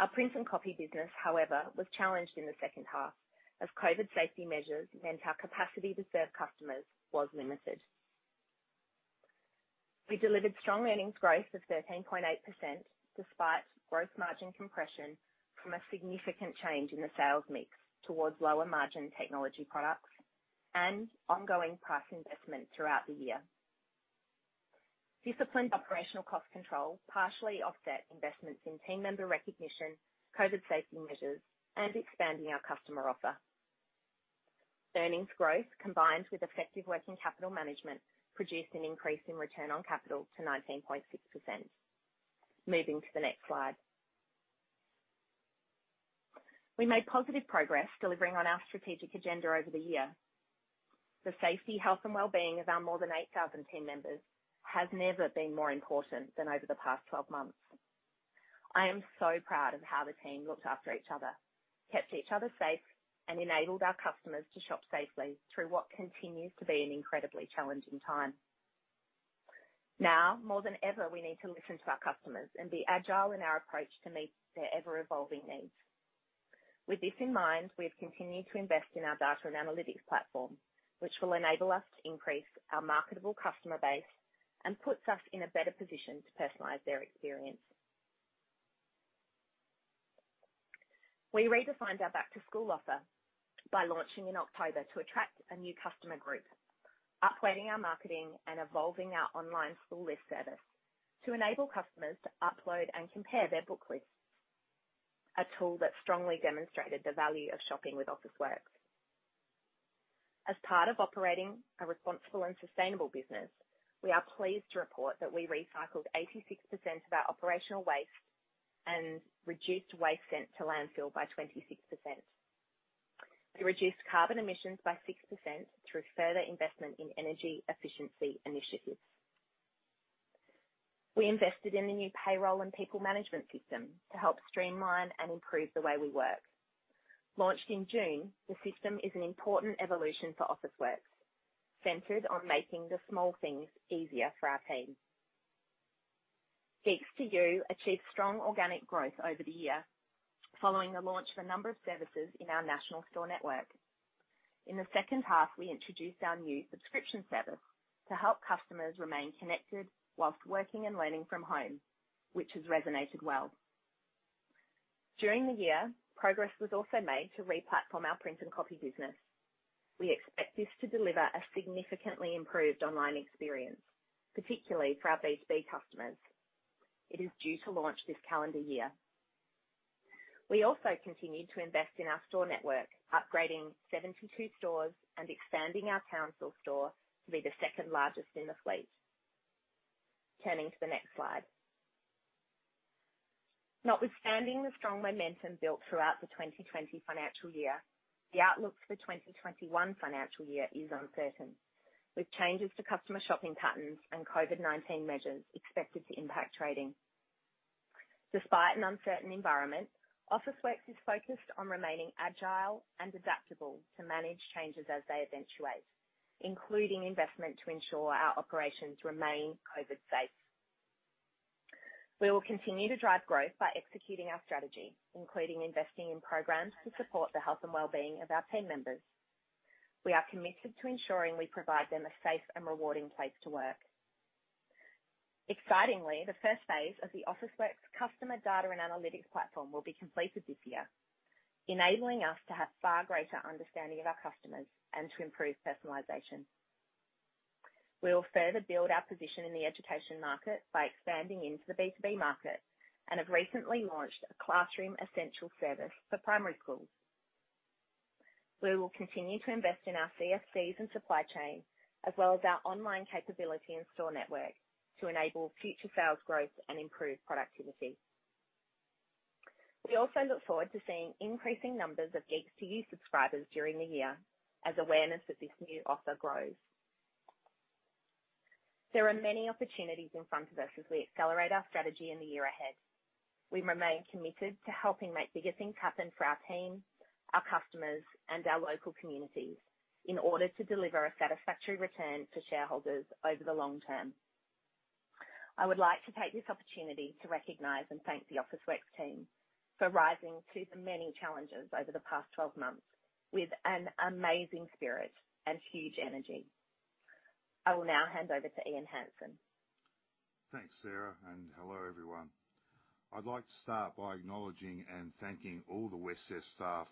Our print and copy business, however, was challenged in the second half as COVID safety measures meant our capacity to serve customers was limited. We delivered strong earnings growth of 13.8% despite gross margin compression from a significant change in the sales mix towards lower margin technology products and ongoing price investment throughout the year. Disciplined operational cost control partially offset investments in team member recognition, COVID safety measures, and expanding our customer offer. Earnings growth combined with effective working capital management produced an increase in return on capital to 19.6%. Moving to the next slide. We made positive progress delivering on our strategic agenda over the year. The safety, health, and well-being of our more than 8,000 team members has never been more important than over the past 12 months. I am so proud of how the team looked after each other, kept each other safe, and enabled our customers to shop safely through what continues to be an incredibly challenging time. Now, more than ever, we need to listen to our customers and be agile in our approach to meet their ever-evolving needs. With this in mind, we have continued to invest in our data and analytics platform, which will enable us to increase our marketable customer base and puts us in a better position to personalize their experience. We redefined our back-to-school offer by launching in October to attract a new customer group, upgrading our marketing and evolving our online school list service to enable customers to upload and compare their book lists, a tool that strongly demonstrated the value of shopping with Officeworks. As part of operating a responsible and sustainable business, we are pleased to report that we recycled 86% of our operational waste and reduced waste sent to landfill by 26%. We reduced carbon emissions by 6% through further investment in energy efficiency initiatives. We invested in the new payroll and people management system to help streamline and improve the way we work. Launched in June, the system is an important evolution for Officeworks, centered on making the small things easier for our team. Geeks2U achieved strong organic growth over the year following the launch of a number of services in our national store network. In the second half, we introduced our new subscription service to help customers remain connected whilst working and learning from home, which has resonated well. During the year, progress was also made to replatform our print and copy business. We expect this to deliver a significantly improved online experience, particularly for our B2B customers. It is due to launch this calendar year. We also continued to invest in our store network, upgrading 72 stores and expanding our Townsville store to be the second largest in the fleet. Turning to the next slide. Notwithstanding the strong momentum built throughout the 2020 financial year, the outlook for the 2021 financial year is uncertain, with changes to customer shopping patterns and COVID-19 measures expected to impact trading. Despite an uncertain environment, Officeworks is focused on remaining agile and adaptable to manage changes as they eventuate, including investment to ensure our operations remain COVID-safe. We will continue to drive growth by executing our strategy, including investing in programs to support the health and well-being of our team members. We are committed to ensuring we provide them a safe and rewarding place to work. Excitingly, the first phase of the Officeworks customer data and analytics platform will be completed this year, enabling us to have far greater understanding of our customers and to improve personalization. We will further build our position in the education market by expanding into the B2B market and have recently launched a classroom essential service for primary schools. We will continue to invest in our CFCs and supply chain, as well as our online capability and store network, to enable future sales growth and improve productivity. We also look forward to seeing increasing numbers of Geeks2U subscribers during the year as awareness of this new offer grows. There are many opportunities in front of us as we accelerate our strategy in the year ahead. We remain committed to helping make bigger things happen for our team, our customers, and our local communities in order to deliver a satisfactory return to shareholders over the long term. I would like to take this opportunity to recognize and thank the Officeworks team for rising to the many challenges over the past 12 months with an amazing spirit and huge energy. I will now hand over to Ian Hansen.
Thanks, Sarah, and hello everyone. I'd like to start by acknowledging and thanking all the Wesfarmers staff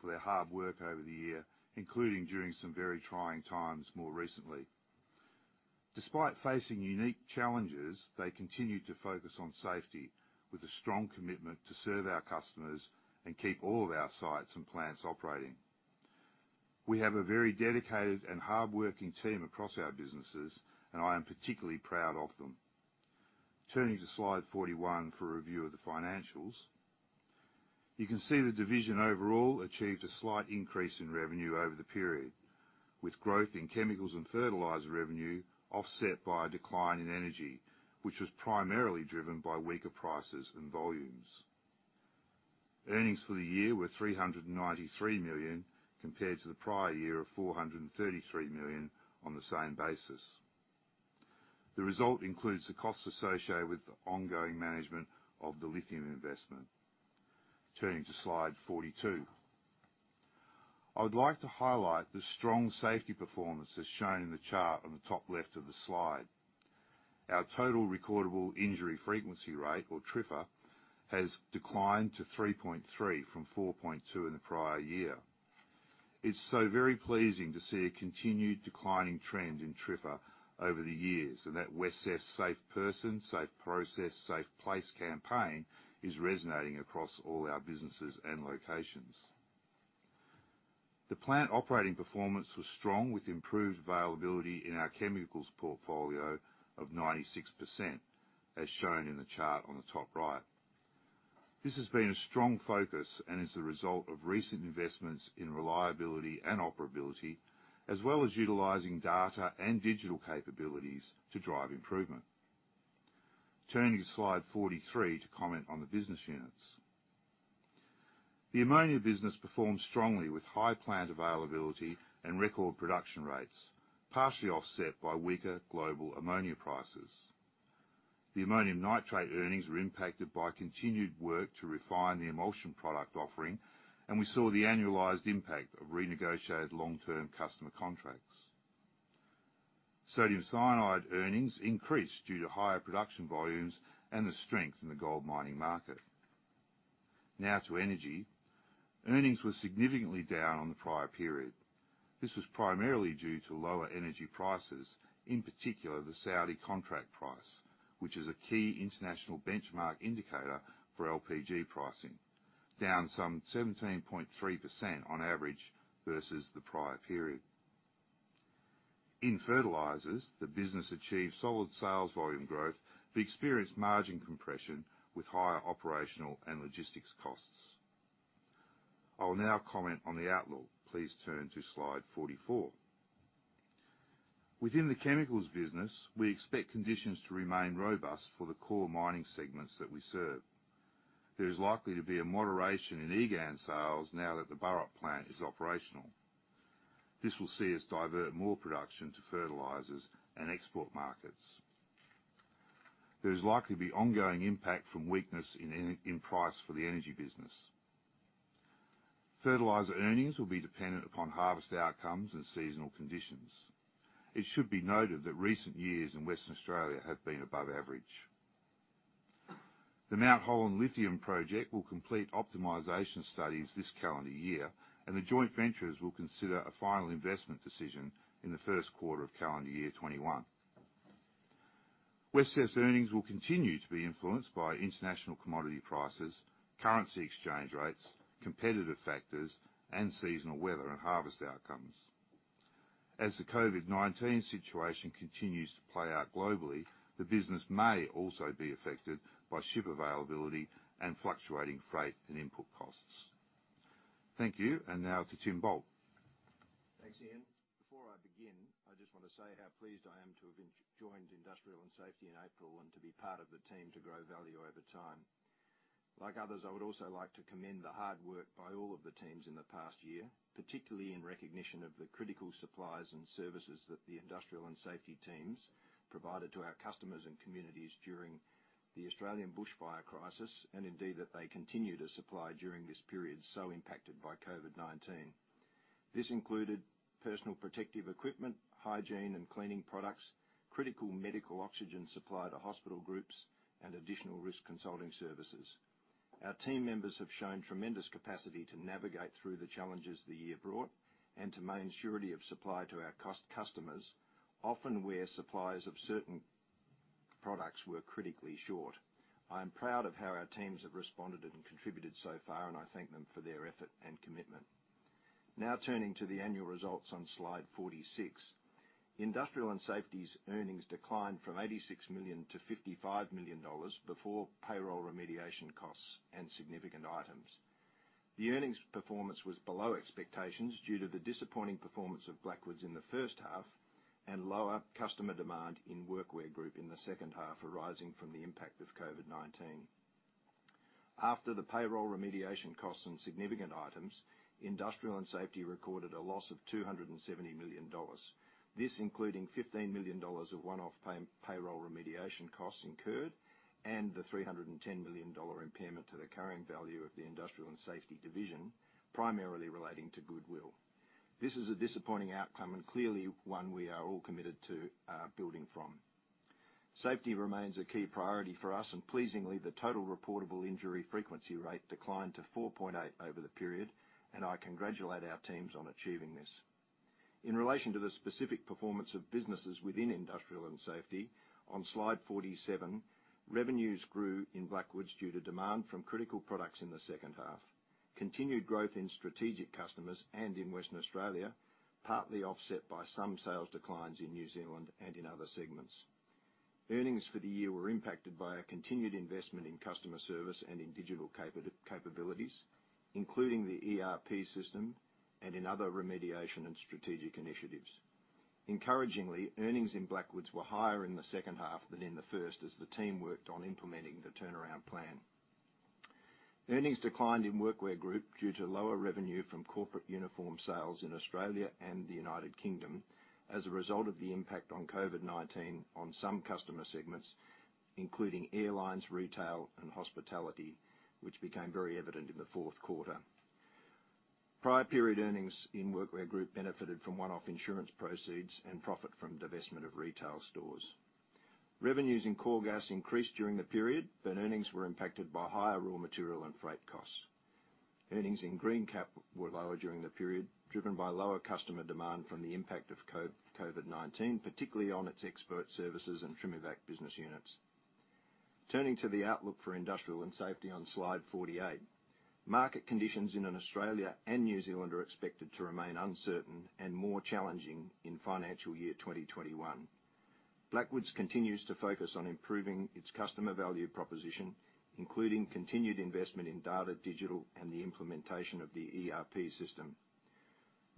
for their hard work over the year, including during some very trying times more recently. Despite facing unique challenges, they continue to focus on safety with a strong commitment to serve our customers and keep all of our sites and plants operating. We have a very dedicated and hardworking team across our businesses, and I am particularly proud of them. Turning to slide 41 for a review of the financials, you can see the division overall achieved a slight increase in revenue over the period, with growth in chemicals and fertilizer revenue offset by a decline in energy, which was primarily driven by weaker prices and volumes. Earnings for the year were 393 million compared to the prior year of 433 million on the same basis. The result includes the costs associated with the ongoing management of the lithium investment. Turning to slide 42, I would like to highlight the strong safety performance as shown in the chart on the top left of the slide. Our total recordable injury frequency rate, or TRIFR, has declined to 3.3 from 4.2 in the prior year. It's so very pleasing to see a continued declining trend in TRIFR over the years and that Wesfarmers' Safe Person, Safe Process, Safe Place campaign is resonating across all our businesses and locations. The plant operating performance was strong, with improved availability in our chemicals portfolio of 96%, as shown in the chart on the top right. This has been a strong focus and is the result of recent investments in reliability and operability, as well as utilizing data and digital capabilities to drive improvement. Turning to slide 43 to comment on the business units, the ammonia business performed strongly with high plant availability and record production rates, partially offset by weaker global ammonia prices. The ammonium nitrate earnings were impacted by continued work to refine the emulsion product offering, and we saw the annualized impact of renegotiated long-term customer contracts. Sodium cyanide earnings increased due to higher production volumes and the strength in the gold mining market. Now to energy, earnings were significantly down on the prior period. This was primarily due to lower energy prices, in particular the Saudi contract price, which is a key international benchmark indicator for LPG pricing, down some 17.3% on average versus the prior period. In fertilizers, the business achieved solid sales volume growth but experienced margin compression with higher operational and logistics costs. I will now comment on the outlook. Please turn to slide 44. Within the chemicals business, we expect conditions to remain robust for the core mining segments that we serve. There is likely to be a moderation in ammonium nitrate sales now that the Burrup plant is operational. This will see us divert more production to fertilizers and export markets. There is likely to be ongoing impact from weakness in price for the energy business. Fertilizer earnings will be dependent upon harvest outcomes and seasonal conditions. It should be noted that recent years in Western Australia have been above average. The Mount Holland lithium project will complete optimization studies this calendar year, and the joint ventures will consider a final investment decision in the first quarter of calendar year 2021. Wesfarmers' earnings will continue to be influenced by international commodity prices, currency exchange rates, competitive factors, and seasonal weather and harvest outcomes. As the COVID-19 situation continues to play out globally, the business may also be affected by ship availability and fluctuating freight and input costs. Thank you, and now to Tim Bult.
Thanks, Ian. Before I begin, I just want to say how pleased I am to have joined Industrial and Safety in April and to be part of the team to grow value over time. Like others, I would also like to commend the hard work by all of the teams in the past year, particularly in recognition of the critical supplies and services that the Industrial and Safety teams provided to our customers and communities during the Australian bushfire crisis and indeed that they continue to supply during this period so impacted by COVID-19. This included personal protective equipment, hygiene and cleaning products, critical medical oxygen supply to hospital groups, and additional risk consulting services. Our team members have shown tremendous capacity to navigate through the challenges the year brought and to maintain surety of supply to our customers, often where suppliers of certain products were critically short. I am proud of how our teams have responded and contributed so far, and I thank them for their effort and commitment. Now turning to the annual results on slide 46, Industrial and Safety's earnings declined from 86 million to 55 million dollars before payroll remediation costs and significant items. The earnings performance was below expectations due to the disappointing performance of Blackwoods in the first half and lower customer demand in Workwear Group in the second half arising from the impact of COVID-19. After the payroll remediation costs and significant items, Industrial and Safety recorded a loss of 270 million dollars. This included 15 million dollars of one-off payroll remediation costs incurred and the 310 million dollar impairment to the current value of the Industrial and Safety division, primarily relating to goodwill. This is a disappointing outcome and clearly one we are all committed to building from. Safety remains a key priority for us, and pleasingly, the total reported injury frequency rate declined to 4.8 over the period, and I congratulate our teams on achieving this. In relation to the specific performance of businesses within Industrial and Safety, on slide 47, revenues grew in Blackwoods due to demand from critical products in the second half. Continued growth in strategic customers and in Western Australia, partly offset by some sales declines in New Zealand and in other segments. Earnings for the year were impacted by a continued investment in customer service and in digital capabilities, including the ERP system and in other remediation and strategic initiatives. Encouragingly, earnings in Blackwoods were higher in the second half than in the first as the team worked on implementing the turnaround plan. Earnings declined in Workwear Group due to lower revenue from corporate uniform sales in Australia and the U.K. as a result of the impact of COVID-19 on some customer segments, including airlines, retail, and hospitality, which became very evident in the fourth quarter. Prior period earnings in Workwear Group benefited from one-off insurance proceeds and profit from divestment of retail stores. Revenues in Coregas increased during the period, but earnings were impacted by higher raw material and freight costs. Earnings in Greencap were lower during the period, driven by lower customer demand from the impact of COVID-19, particularly on its expert services and TrimEVAC business units. Turning to the outlook for Industrial and Safety on slide 48, market conditions in Australia and New Zealand are expected to remain uncertain and more challenging in financial year 2021. Blackwoods continues to focus on improving its customer value proposition, including continued investment in data, digital, and the implementation of the ERP system.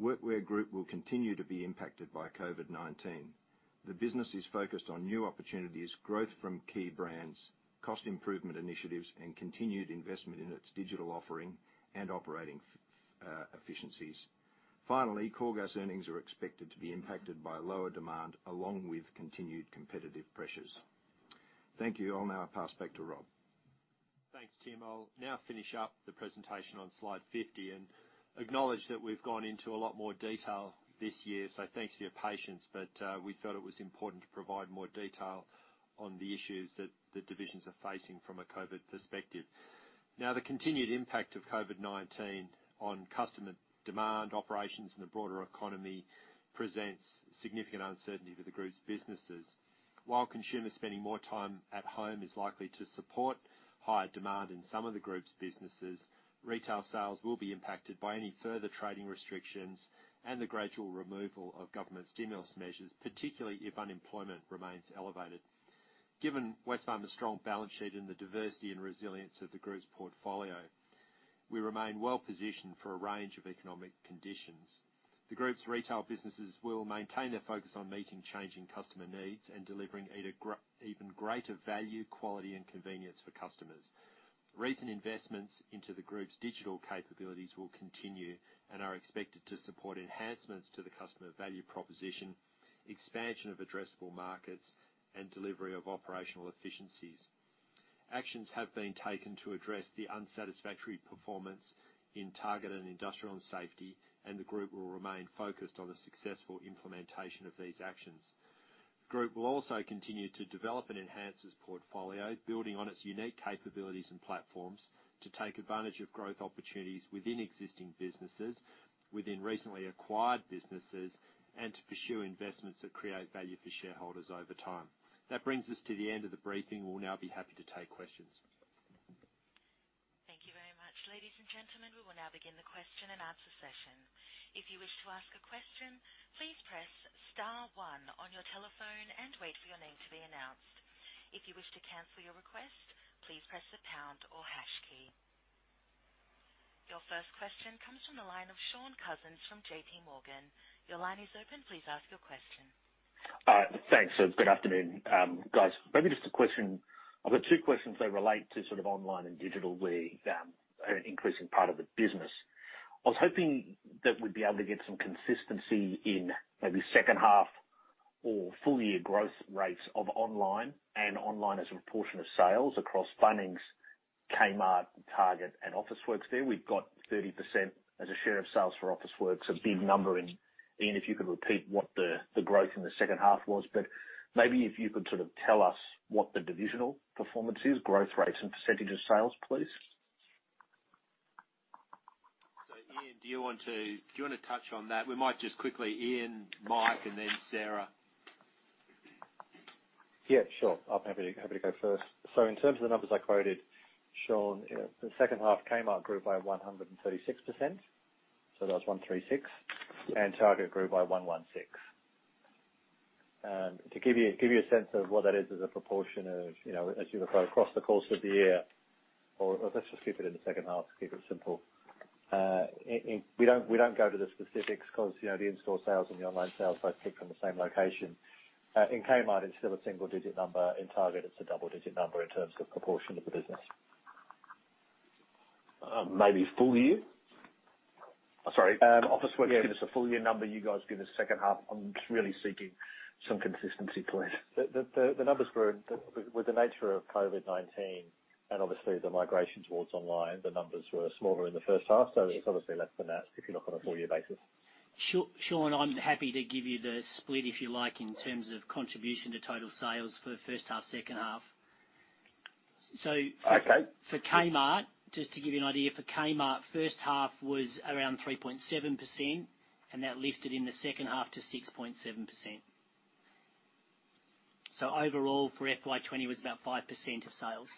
Workwear Group will continue to be impacted by COVID-19. The business is focused on new opportunities, growth from key brands, cost improvement initiatives, and continued investment in its digital offering and operating efficiencies. Finally, Coregas earnings are expected to be impacted by lower demand along with continued competitive pressures. Thank you. I'll now pass back to Rob.
Thanks, Tim. I'll now finish up the presentation on slide 50 and acknowledge that we've gone into a lot more detail this year, so thanks for your patience, but we felt it was important to provide more detail on the issues that the divisions are facing from a COVID perspective. Now, the continued impact of COVID-19 on customer demand, operations, and the broader economy presents significant uncertainty for the group's businesses. While consumers spending more time at home is likely to support higher demand in some of the group's businesses, retail sales will be impacted by any further trading restrictions and the gradual removal of government stimulus measures, particularly if unemployment remains elevated. Given Wesfarmers' strong balance sheet and the diversity and resilience of the group's portfolio, we remain well positioned for a range of economic conditions. The group's retail businesses will maintain their focus on meeting changing customer needs and delivering even greater value, quality, and convenience for customers. Recent investments into the group's digital capabilities will continue and are expected to support enhancements to the customer value proposition, expansion of addressable markets, and delivery of operational efficiencies. Actions have been taken to address the unsatisfactory performance in targeted Industrial and Safety, and the group will remain focused on the successful implementation of these actions. The group will also continue to develop and enhance its portfolio, building on its unique capabilities and platforms to take advantage of growth opportunities within existing businesses, within recently acquired businesses, and to pursue investments that create value for shareholders over time. That brings us to the end of the briefing. We'll now be happy to take questions.
Thank you very much. Ladies and gentlemen, we will now begin the question and answer session. If you wish to ask a question, please press star one on your telephone and wait for your name to be announced. If you wish to cancel your request, please press the pound or hash key. Your first question comes from the line of Shaun Cousins from JPMorgan. Your line is open. Please ask your question.
Thanks. Good afternoon, guys. Maybe just a question. I've got two questions that relate to sort of online and digital increasing part of the business. I was hoping that we'd be able to get some consistency in maybe second half or full year growth rates of online and online as a proportion of sales across Bunnings, Kmart, Target, and Officeworks. We've got 30% as a share of sales for Officeworks, a big number in Ian, if you could repeat what the growth in the second half was. If you could sort of tell us what the divisional performance is, growth rates and percentage of sales, please.
Ian, do you want to touch on that? We might just quickly, Ian, Mike, and then Sarah.
Yeah, sure. I'm happy to go first. In terms of the numbers I quoted, Shaun, the second half came out, grew by 136%. That was 136, and Target grew by 116. To give you a sense of what that is as a proportion of, as you look across the course of the year, or let's just keep it in the second half, keep it simple. We don't go to the specifics because the in-store sales and the online sales both pick from the same location. In Kmart, it's still a single-digit number. In Target, it's a double-digit number in terms of proportion of the business.
Maybe full year? Sorry. Officeworks give us a full year number. You guys give us second half. I'm just really seeking some consistency, please.
The numbers were with the nature of COVID-19 and obviously the migration towards online, the numbers were smaller in the first half. It is obviously less than that if you look on a full year basis.
Shaun, I'm happy to give you the split if you like in terms of contribution to total sales for first half, second half. For Kmart, just to give you an idea, for Kmart, first half was around 3.7%, and that lifted in the second half to 6.7%. Overall for FY 2020, it was about 5% of sales.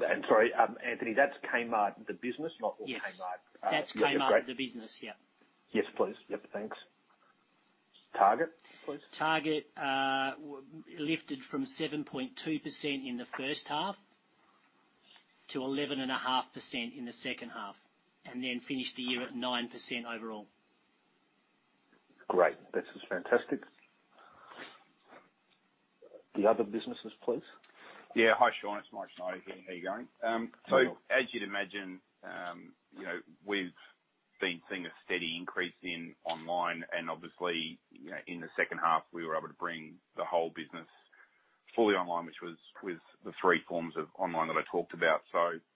I'm sorry, Anthony, that's Kmart the business, not Kmart?
Yes, that's Kmart the business, yeah.
Yes, please. Yep, thanks. Target, please.
Target lifted from 7.2% in the first half to 11.5% in the second half and then finished the year at 9% overall.
Great. This is fantastic. The other businesses, please.
Yeah, hi, Shaun. It's Mike Schneider here. How are you going?
Good morning.
As you'd imagine, we've been seeing a steady increase in online, and obviously, in the second half, we were able to bring the whole business fully online, which was with the three forms of online that I talked about.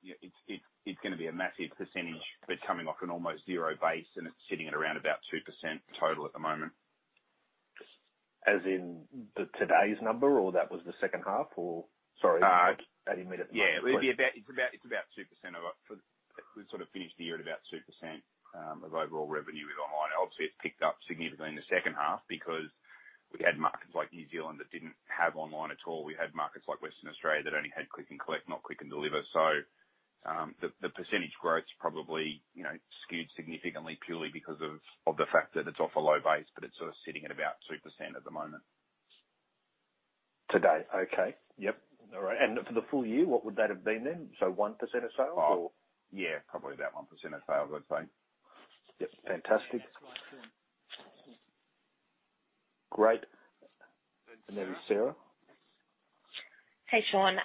It's going to be a massive percentage, but coming off an almost zero base, and it's sitting at around about 2% total at the moment.
As in today's number, or that was the second half, or sorry, that immediate?
Yeah, it's about 2% of it. We sort of finished the year at about 2% of overall revenue with online. Obviously, it's picked up significantly in the second half because we had markets like New Zealand that didn't have online at all. We had markets like Western Australia that only had Click and Collect, not Click and Deliver. The percentage growth probably skewed significantly purely because of the fact that it's off a low base, but it's sort of sitting at about 2% at the moment.
Today. Okay. Yep. All right. For the full year, what would that have been then? 1% of sales, or?
Yeah, probably about 1% of sales, I'd say.
Yep. Fantastic. Great. And then Sarah.
Hey, Shaun.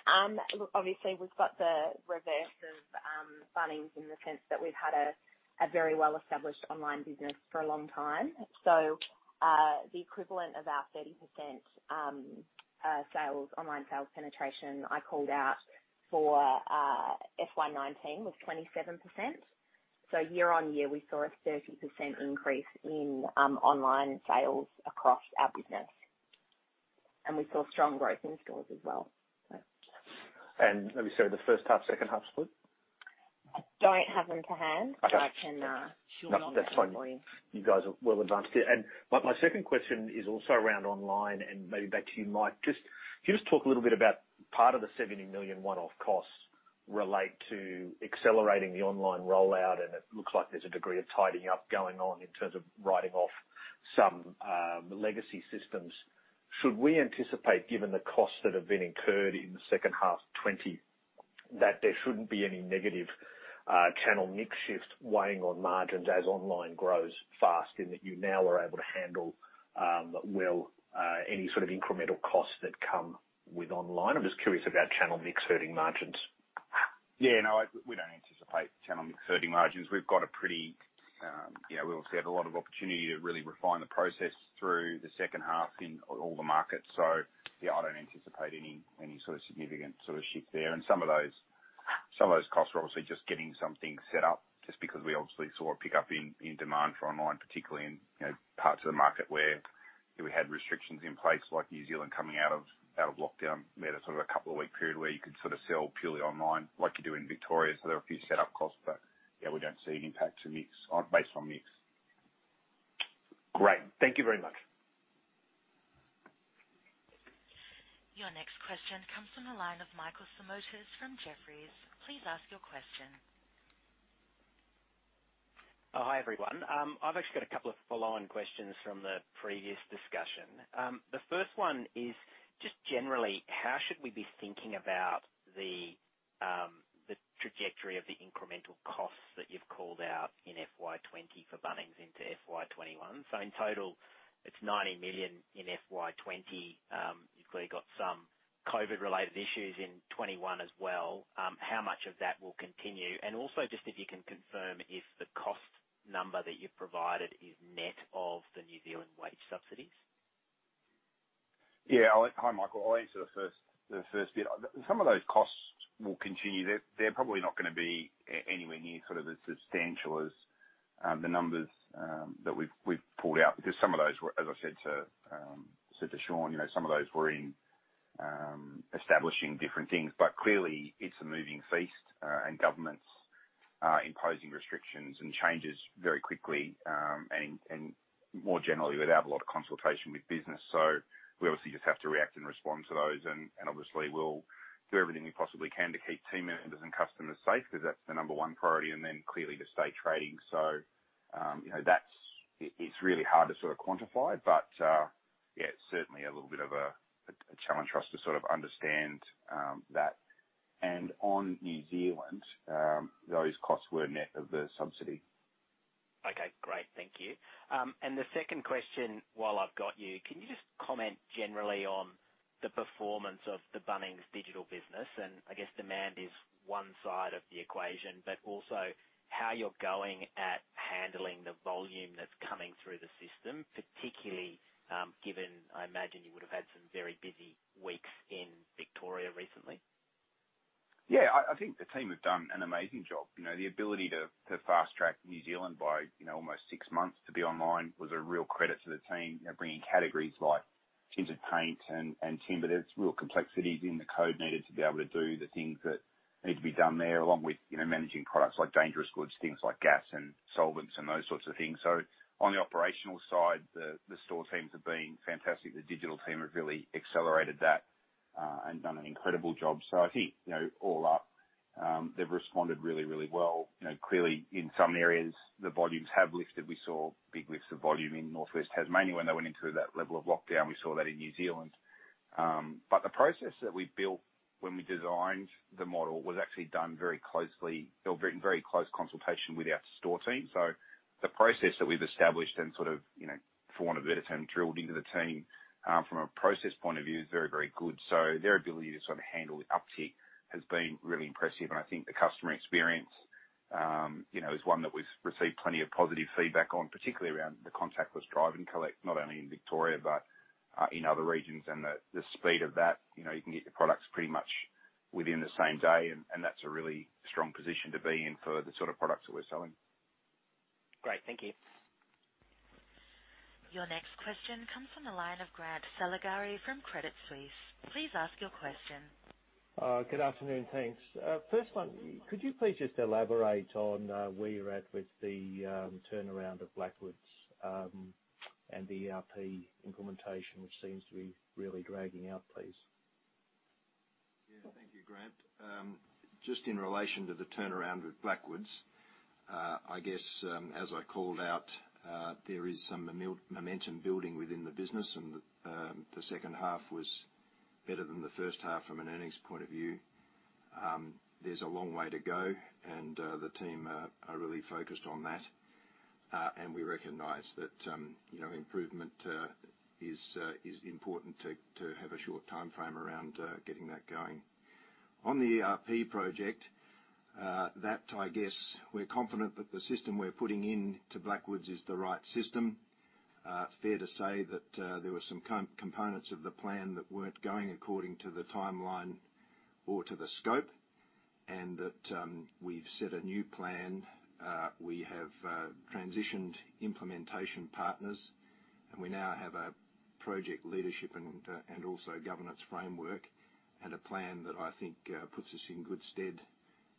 Obviously, we've got the reverse of Bunnings in the sense that we've had a very well-established online business for a long time. The equivalent of our 30% online sales penetration, I called out for FY 2019, was 27%. Year on year, we saw a 30% increase in online sales across our business. We saw strong growth in stores as well.
Let me see the first half, second half split.
I don't have them to hand, but I can not go for you.
That's fine. You guys are well advanced here. My second question is also around online and maybe back to you, Mike. Just can you just talk a little bit about part of the 70 million one-off costs relate to accelerating the online rollout, and it looks like there's a degree of tidying up going on in terms of writing off some legacy systems. Should we anticipate, given the costs that have been incurred in the second half, that there shouldn't be any negative channel mix shift weighing on margins as online grows fast in that you now are able to handle well any sort of incremental costs that come with online? I'm just curious about channel mix hurting margins.
Yeah, no, we don't anticipate channel mix hurting margins. We've got a pretty, we obviously had a lot of opportunity to really refine the process through the second half in all the markets. Yeah, I don't anticipate any sort of significant sort of shift there. Some of those costs are obviously just getting something set up just because we obviously saw a pickup in demand for online, particularly in parts of the market where we had restrictions in place, like New Zealand coming out of lockdown. We had a sort of a couple-week period where you could sort of sell purely online, like you do in Victoria. There were a few setup costs, but yeah, we don't see an impact based on mix.
Great. Thank you very much.
Your next question comes from the line of Michael Simotas from Jefferies. Please ask your question.
Hi, everyone. I've actually got a couple of follow-on questions from the previous discussion. The first one is just generally, how should we be thinking about the trajectory of the incremental costs that you've called out in FY 2020 for Bunnings into FY 2021? In total, it's 90 million in FY 2020. You've clearly got some COVID-related issues in 2021 as well. How much of that will continue? Also, just if you can confirm if the cost number that you've provided is net of the New Zealand wage subsidies.
Yeah. Hi, Michael. I'll answer the first bit. Some of those costs will continue. They're probably not going to be anywhere near sort of as substantial as the numbers that we've pulled out because some of those, as I said to Shaun, some of those were in establishing different things. Clearly, it's a moving feast, and governments are imposing restrictions and changes very quickly and more generally without a lot of consultation with business. We obviously just have to react and respond to those. Obviously, we'll do everything we possibly can to keep team members and customers safe because that's the number one priority, and then clearly the state trading. It's really hard to sort of quantify, but yeah, it's certainly a little bit of a challenge for us to sort of understand that. On New Zealand, those costs were net of the subsidy.
Okay. Great. Thank you. The second question, while I've got you, can you just comment generally on the performance of the Bunnings digital business? I guess demand is one side of the equation, but also how you're going at handling the volume that's coming through the system, particularly given I imagine you would have had some very busy weeks in Victoria recently.
Yeah. I think the team have done an amazing job. The ability to fast-track New Zealand by almost six months to be online was a real credit to the team, bringing categories like tinted paint and timber. There are real complexities in the code needed to be able to do the things that need to be done there, along with managing products like dangerous goods, things like gas and solvents and those sorts of things. On the operational side, the store teams have been fantastic. The digital team have really accelerated that and done an incredible job. I think all up, they've responded really, really well. Clearly, in some areas, the volumes have lifted. We saw big lifts of volume in Northwest Tasmania when they went into that level of lockdown. We saw that in New Zealand. The process that we built when we designed the model was actually done very closely or in very close consultation with our store team. The process that we've established and, for want of a better term, drilled into the team from a process point of view is very, very good. Their ability to sort of handle the uptick has been really impressive. I think the customer experience is one that we've received plenty of positive feedback on, particularly around the contactless Drive and Collect, not only in Victoria but in other regions. The speed of that, you can get your products pretty much within the same day. That is a really strong position to be in for the sort of products that we're selling.
Great. Thank you.
Your next question comes from the line of Grant Saligari from Credit Suisse. Please ask your question.
Good afternoon. Thanks. First one, could you please just elaborate on where you're at with the turnaround of Blackwoods and the ERP implementation, which seems to be really dragging out, please?
Yeah. Thank you, Grant. Just in relation to the turnaround with Blackwoods, I guess, as I called out, there is some momentum building within the business, and the second half was better than the first half from an earnings point of view. There is a long way to go, and the team are really focused on that. We recognize that improvement is important to have a short time frame around getting that going. On the ERP project, I guess we are confident that the system we are putting into Blackwoods is the right system. It is fair to say that there were some components of the plan that were not going according to the timeline or to the scope, and that we have set a new plan. We have transitioned implementation partners, and we now have a project leadership and also governance framework and a plan that I think puts us in good stead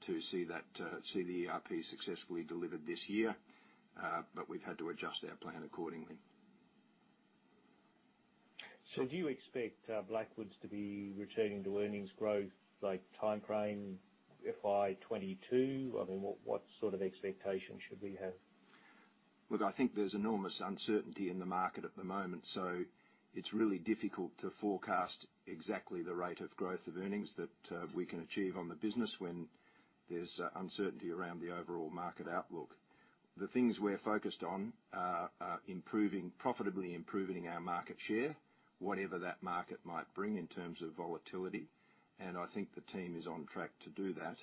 to see the ERP successfully delivered this year. We have had to adjust our plan accordingly.
Do you expect Blackwoods to be returning to earnings growth by timeframe FY 2022? I mean, what sort of expectation should we have?
Look, I think there's enormous uncertainty in the market at the moment. It is really difficult to forecast exactly the rate of growth of earnings that we can achieve on the business when there's uncertainty around the overall market outlook. The things we're focused on are profitably improving our market share, whatever that market might bring in terms of volatility. I think the team is on track to do that.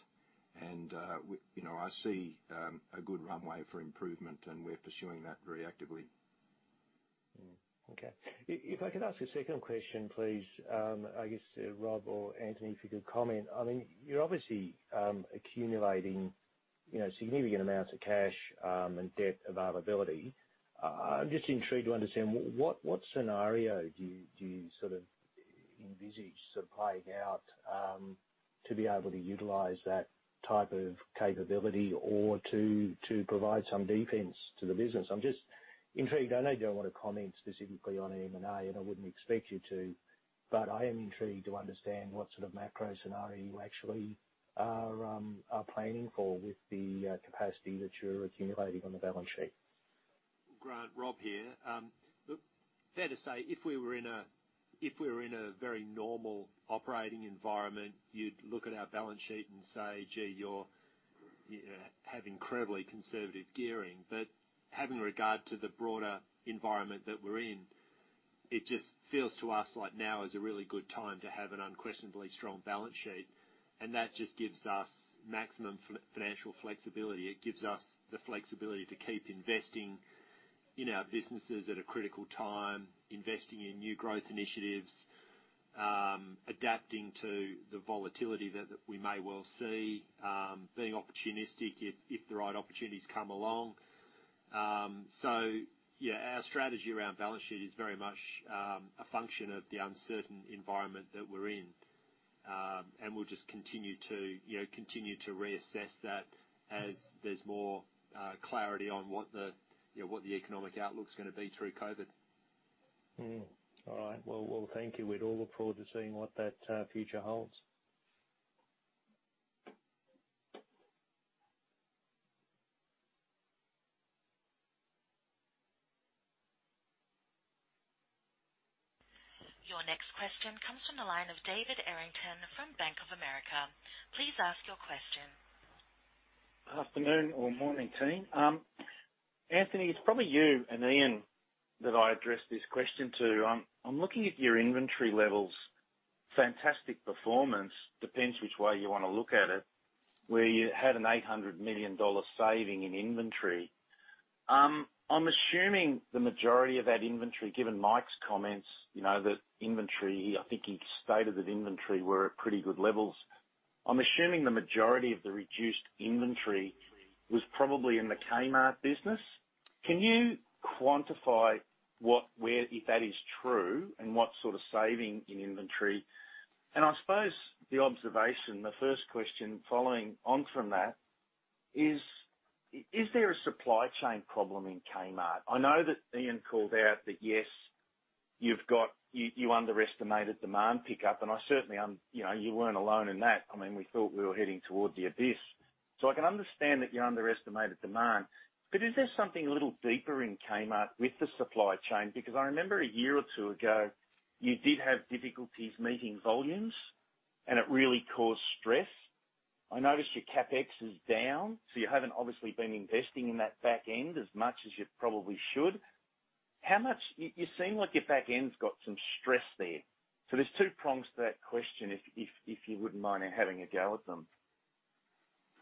I see a good runway for improvement, and we're pursuing that very actively.
Okay. If I could ask a second question, please, I guess, Rob or Anthony, if you could comment. I mean, you're obviously accumulating significant amounts of cash and debt availability. I'm just intrigued to understand what scenario do you sort of envisage to play out to be able to utilize that type of capability or to provide some defense to the business? I'm just intrigued. I know you don't want to comment specifically on M&A, and I wouldn't expect you to, but I am intrigued to understand what sort of macro scenario you actually are planning for with the capacity that you're accumulating on the balance sheet.
Grant, Rob here. Look, fair to say if we were in a very normal operating environment, you'd look at our balance sheet and say, "Gee, you have incredibly conservative gearing." Having regard to the broader environment that we're in, it just feels to us like now is a really good time to have an unquestionably strong balance sheet. That just gives us maximum financial flexibility. It gives us the flexibility to keep investing in our businesses at a critical time, investing in new growth initiatives, adapting to the volatility that we may well see, being opportunistic if the right opportunities come along. Yeah, our strategy around balance sheet is very much a function of the uncertain environment that we're in. We'll just continue to reassess that as there's more clarity on what the economic outlook's going to be through COVID.
All right. Thank you. We'd all look forward to seeing what that future holds.
Your next question comes from the line of David Errington from Bank of America. Please ask your question.
Afternoon or morning team. Anthony, it's probably you and Ian that I address this question to. I'm looking at your inventory levels. Fantastic performance, depends which way you want to look at it, where you had an 800 million dollar saving in inventory. I'm assuming the majority of that inventory, given Mike's comments, that inventory—I think he stated that inventory were at pretty good levels. I'm assuming the majority of the reduced inventory was probably in the Kmart business. Can you quantify if that is true and what sort of saving in inventory? I suppose the observation, the first question following on from that is, is there a supply chain problem in Kmart? I know that Ian called out that, yes, you underestimated demand pickup, and I certainly—you weren't alone in that. I mean, we thought we were heading toward the abyss. I can understand that you underestimated demand. Is there something a little deeper in Kmart with the supply chain? Because I remember a year or two ago, you did have difficulties meeting volumes, and it really caused stress. I noticed your CapEx is down. You have not obviously been investing in that back end as much as you probably should. You seem like your back end's got some stress there. There are two prongs to that question, if you would not mind having a go at them.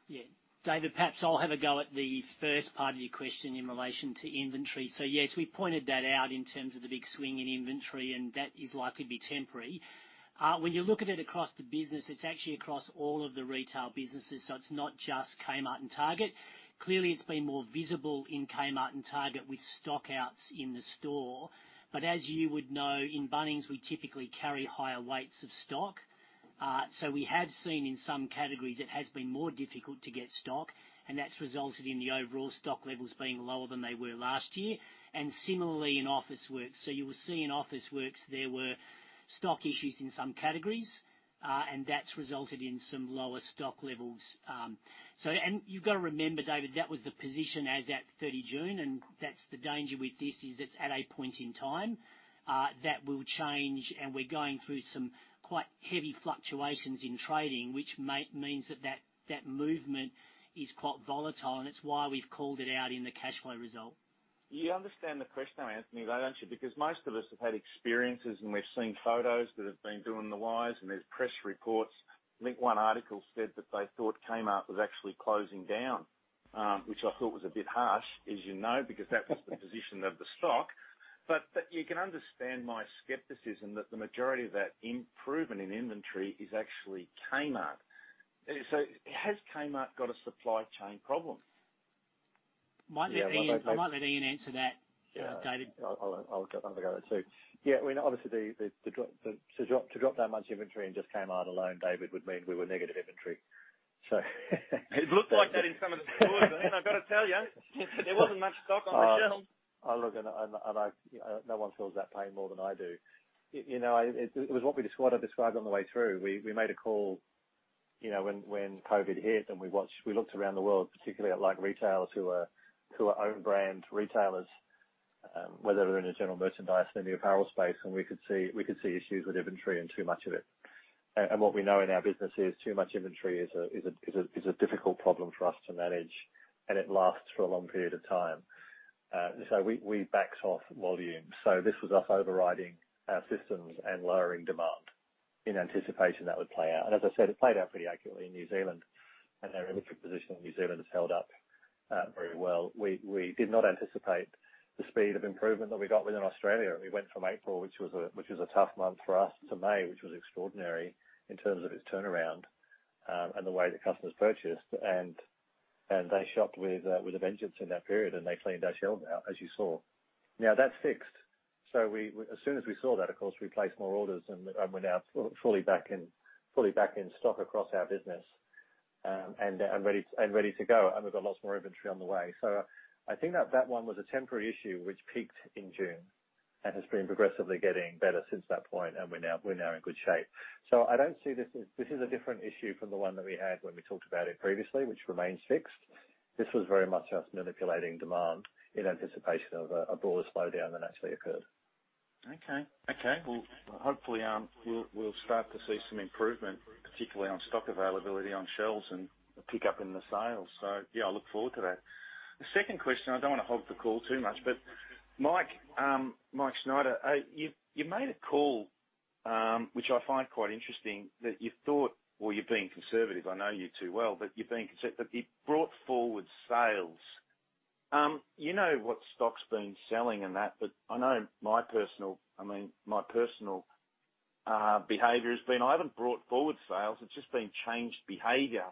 Yeah. David, perhaps I'll have a go at the first part of your question in relation to inventory. Yes, we pointed that out in terms of the big swing in inventory, and that is likely to be temporary. When you look at it across the business, it's actually across all of the retail businesses. It's not just Kmart and Target. Clearly, it's been more visible in Kmart and Target with stockouts in the store. As you would know, in Bunnings, we typically carry higher weights of stock. We have seen in some categories it has been more difficult to get stock, and that's resulted in the overall stock levels being lower than they were last year. Similarly in Officeworks, you will see in Officeworks, there were stock issues in some categories, and that's resulted in some lower stock levels. You have got to remember, David, that was the position as at 30 June. That is the danger with this, as it is at a point in time that will change, and we are going through some quite heavy fluctuations in trading, which means that movement is quite volatile. It is why we have called it out in the cash flow result.
You understand the question I'm asking you, don't you? Because most of us have had experiences, and we've seen photos that have been doing the wise, and there's press reports. I think one article said that they thought Kmart was actually closing down, which I thought was a bit harsh, as you know, because that was the position of the stock. You can understand my skepticism that the majority of that improvement in inventory is actually Kmart. Has Kmart got a supply chain problem?
I might let Ian answer that, David.
Yeah. I'll go with that too. Yeah. I mean, obviously, to drop that much inventory in just Kmart alone, David, would mean we were negative inventory. So.
It looked like that in some of the stores, and I've got to tell you, there wasn't much stock on the shelf.
Look, and no one feels that pain more than I do. It was what I described on the way through. We made a call when COVID hit, and we looked around the world, particularly at retailers who are own brand retailers, whether they're in the general merchandise or in the apparel space, and we could see issues with inventory and too much of it. What we know in our business is too much inventory is a difficult problem for us to manage, and it lasts for a long period of time. We backed off volume. This was us overriding our systems and lowering demand in anticipation that would play out. As I said, it played out pretty accurately in New Zealand. Our inventory position in New Zealand has held up very well. We did not anticipate the speed of improvement that we got within Australia. We went from April, which was a tough month for us, to May, which was extraordinary in terms of its turnaround and the way that customers purchased. They shopped with a vengeance in that period, and they cleaned our shelves out, as you saw. Now, that's fixed. As soon as we saw that, of course, we placed more orders, and we're now fully back in stock across our business and ready to go. We've got lots more inventory on the way. I think that that one was a temporary issue, which peaked in June and has been progressively getting better since that point, and we're now in good shape. I don't see this as a different issue from the one that we had when we talked about it previously, which remains fixed. This was very much us manipulating demand in anticipation of a broader slowdown that actually occurred.
Okay. Okay. Hopefully, we'll start to see some improvement, particularly on stock availability on shelves and a pickup in the sales. I look forward to that. The second question, I don't want to hog the call too much, but Mike Schneider, you made a call, which I find quite interesting, that you thought, you're being conservative. I know you too well, but you're being conservative. It brought forward sales. You know what stock's been selling and that, but I know my personal—I mean, my personal behavior has been I haven't brought forward sales. It's just been changed behavior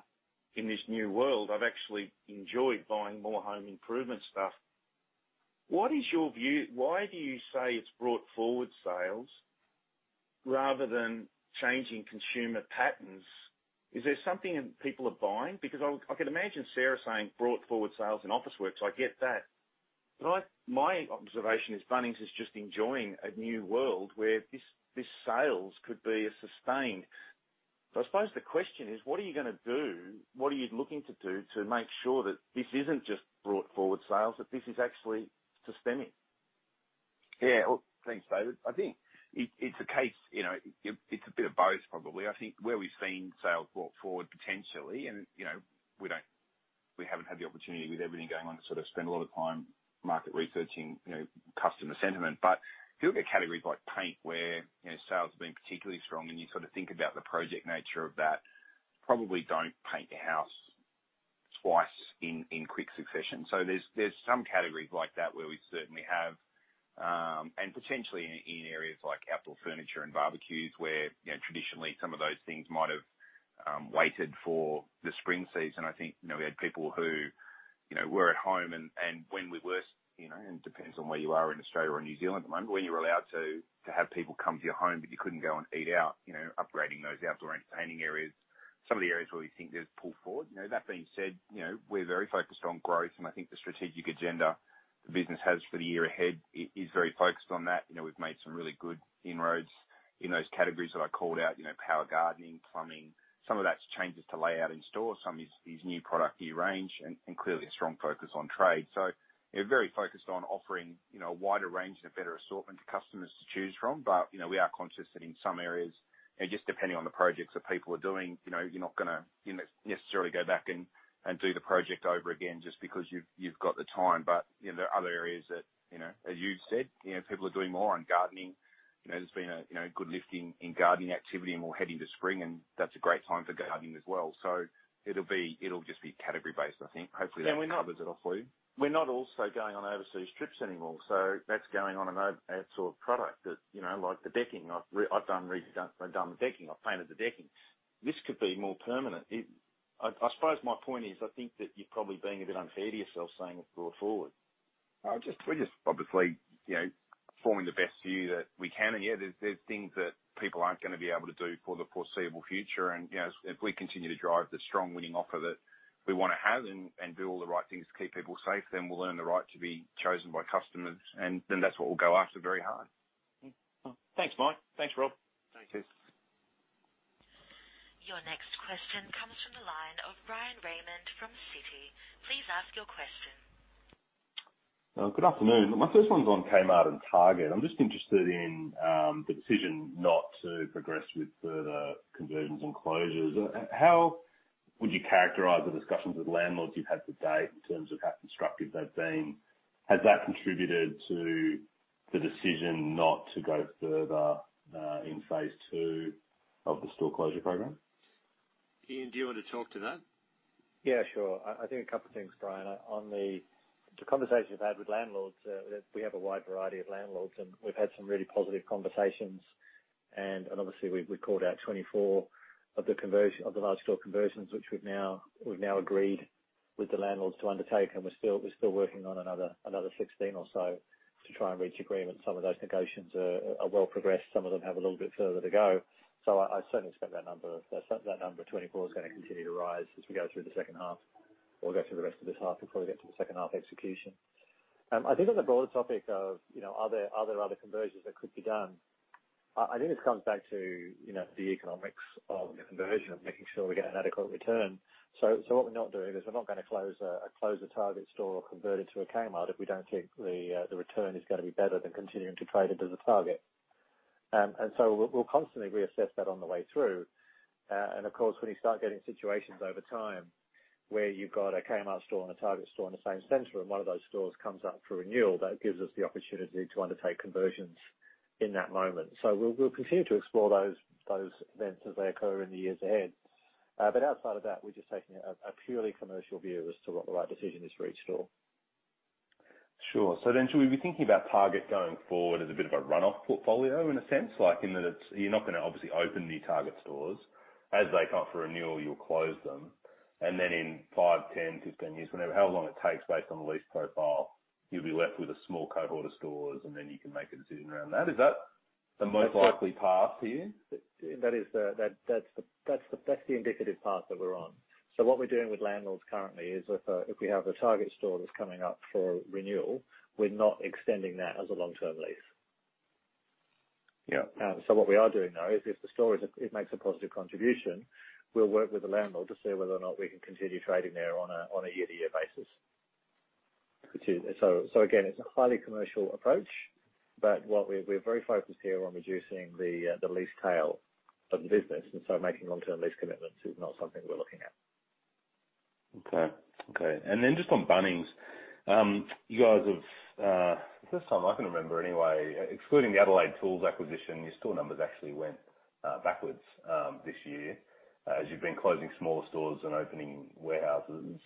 in this new world. I've actually enjoyed buying more home improvement stuff. What is your view? Why do you say it's brought forward sales rather than changing consumer patterns? Is there something people are buying? I could imagine Sarah saying brought forward sales in Officeworks. I get that. My observation is Bunnings is just enjoying a new world where these sales could be sustained. I suppose the question is, what are you going to do? What are you looking to do to make sure that this isn't just brought forward sales, that this is actually systemic?
Yeah. Thanks, David. I think it's a case—it's a bit of both, probably. I think where we've seen sales brought forward potentially, and we haven't had the opportunity with everything going on to sort of spend a lot of time market researching customer sentiment. If you look at categories like paint, where sales have been particularly strong, and you sort of think about the project nature of that, probably don't paint your house twice in quick succession. There are some categories like that where we certainly have, and potentially in areas like outdoor furniture and barbecues, where traditionally some of those things might have waited for the spring season. I think we had people who were at home, and when we were—and it depends on where you are in Australia or New Zealand at the moment—when you're allowed to have people come to your home, but you couldn't go and eat out, upgrading those outdoor entertaining areas, some of the areas where we think there's pull forward. That being said, we're very focused on growth, and I think the strategic agenda the business has for the year ahead is very focused on that. We've made some really good inroads in those categories that I called out: power gardening, plumbing. Some of that changes to layout in store. Some is new product, new range, and clearly a strong focus on trade. We are very focused on offering a wider range and a better assortment to customers to choose from. We are conscious that in some areas, just depending on the projects that people are doing, you're not going to necessarily go back and do the project over again just because you've got the time. There are other areas that, as you've said, people are doing more on gardening. There's been a good lift in gardening activity, and we're heading to spring, and that's a great time for gardening as well. It'll just be category-based, I think. Hopefully, that covers it all for you.
We're not also going on overseas trips anymore. That's going on an outdoor product like the decking. I've done the decking. I've painted the decking. This could be more permanent. I suppose my point is, I think that you're probably being a bit unfair to yourself saying it's brought forward.
We're just obviously forming the best view that we can. Yeah, there's things that people aren't going to be able to do for the foreseeable future. If we continue to drive the strong winning offer that we want to have and do all the right things to keep people safe, then we'll earn the right to be chosen by customers. That's what we'll go after very hard.
Thanks, Mike. Thanks, Rob.
Thank you.
Your next question comes from the line of Bryan Raymond from Citi. Please ask your question.
Good afternoon. My first one's on Kmart and Target. I'm just interested in the decision not to progress with further conversions and closures. How would you characterize the discussions with landlords you've had to date in terms of how constructive they've been? Has that contributed to the decision not to go further in phase two of the store closure program?
Ian, do you want to talk to that?
Yeah, sure. I think a couple of things, Bryan. On the conversation we've had with landlords, we have a wide variety of landlords, and we've had some really positive conversations. Obviously, we've called out 24 of the large store conversions, which we've now agreed with the landlords to undertake. We're still working on another 16 or so to try and reach agreement. Some of those negotiations are well progressed. Some of them have a little bit further to go. I certainly expect that number of 24 is going to continue to rise as we go through the second half or go through the rest of this half before we get to the second half execution. I think on the broader topic of are there other conversions that could be done? I think this comes back to the economics of the conversion, of making sure we get an adequate return. What we're not doing is we're not going to close a Target store or convert it to a Kmart if we don't think the return is going to be better than continuing to trade it as a Target. We will constantly reassess that on the way through. Of course, when you start getting situations over time where you've got a Kmart store and a Target store in the same center, and one of those stores comes up for renewal, that gives us the opportunity to undertake conversions in that moment. We will continue to explore those events as they occur in the years ahead. Outside of that, we're just taking a purely commercial view as to what the right decision is for each store.
Sure. Should we be thinking about Target going forward as a bit of a run-off portfolio in a sense? Like in that you're not going to obviously open new Target stores as they come up for renewal, you'll close them. In 5, 10, 15 years, however long it takes based on the lease profile, you'll be left with a small cohort of stores, and then you can make a decision around that. Is that the most likely path here?
That's the indicative path that we're on. What we're doing with landlords currently is if we have a Target store that's coming up for renewal, we're not extending that as a long-term lease. What we are doing, though, is if the store makes a positive contribution, we'll work with the landlord to see whether or not we can continue trading there on a year-to-year basis. Again, it's a highly commercial approach, but we're very focused here on reducing the lease tail of the business. Making long-term lease commitments is not something we're looking at.
Okay. Okay. Just on Bunnings, you guys have—this is the first time I can remember anyway—excluding the Adelaide Tools acquisition, your store numbers actually went backwards this year as you've been closing smaller stores and opening warehouses.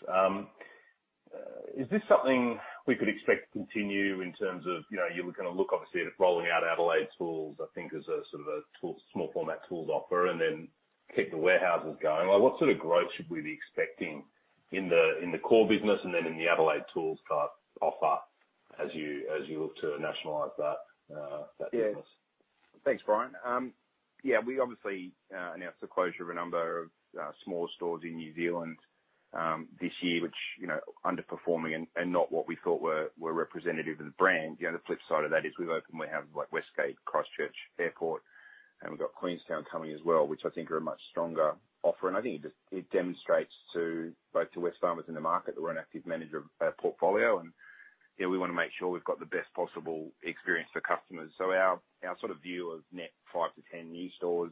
Is this something we could expect to continue in terms of you're going to look obviously at rolling out Adelaide Tools, I think, as a sort of a small-format tools offer and then keep the warehouses going? What sort of growth should we be expecting in the core business and then in the Adelaide Tools type offer as you look to nationalize that business?
Yeah. Thanks, Bryan. Yeah, we obviously announced the closure of a number of smaller stores in New Zealand this year, which are underperforming and not what we thought were representative of the brand. The flip side of that is we've opened—we have Westgate, Christchurch Airport, and we've got Queenstown coming as well, which I think are a much stronger offer. I think it demonstrates to both to Wesfarmers in the market that we're an active manager portfolio, and we want to make sure we've got the best possible experience for customers. Our sort of view of net 5-10 new stores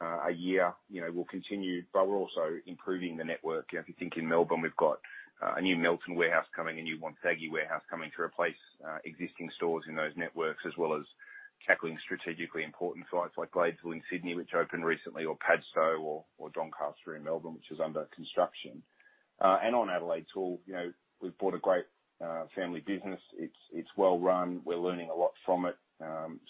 a year will continue, but we're also improving the network. If you think in Melbourne, we've got a new Melton warehouse coming, a new Montague warehouse coming to replace existing stores in those networks, as well as tackling strategically important sites like Gladesville in Sydney, which opened recently, or Padstow or Doncaster in Melbourne, which is under construction. On Adelaide Tools, we've bought a great family business. It's well-run. We're learning a lot from it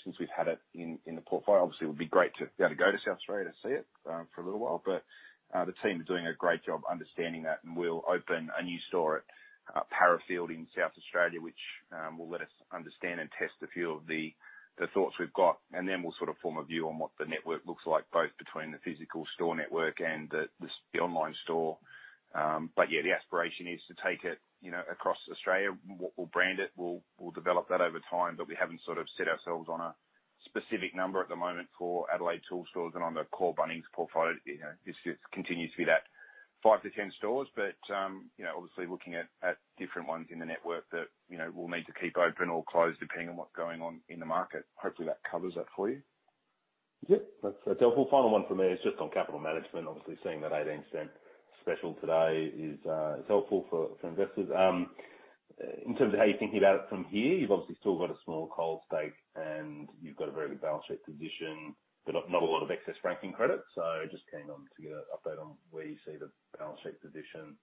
since we've had it in the portfolio. Obviously, it would be great to be able to go to South Australia to see it for a little while, but the team are doing a great job understanding that, and we'll open a new store at Parafield in South Australia, which will let us understand and test a few of the thoughts we've got. We'll sort of form a view on what the network looks like, both between the physical store network and the online store. Yeah, the aspiration is to take it across Australia. We'll brand it. We'll develop that over time, but we haven't sort of set ourselves on a specific number at the moment for Adelaide Tools stores and on the core Bunnings portfolio. This continues to be that 5-10 stores, obviously looking at different ones in the network that we'll need to keep open or close depending on what's going on in the market. Hopefully, that covers that for you.
Yep. That's helpful. Final one for me is just on capital management. Obviously, seeing that 18% special today is helpful for investors. In terms of how you're thinking about it from here, you've obviously still got a small Coles stake, and you've got a very good balance sheet position, but not a lot of excess franking credit. Just keen to get an update on where you see the balance sheet position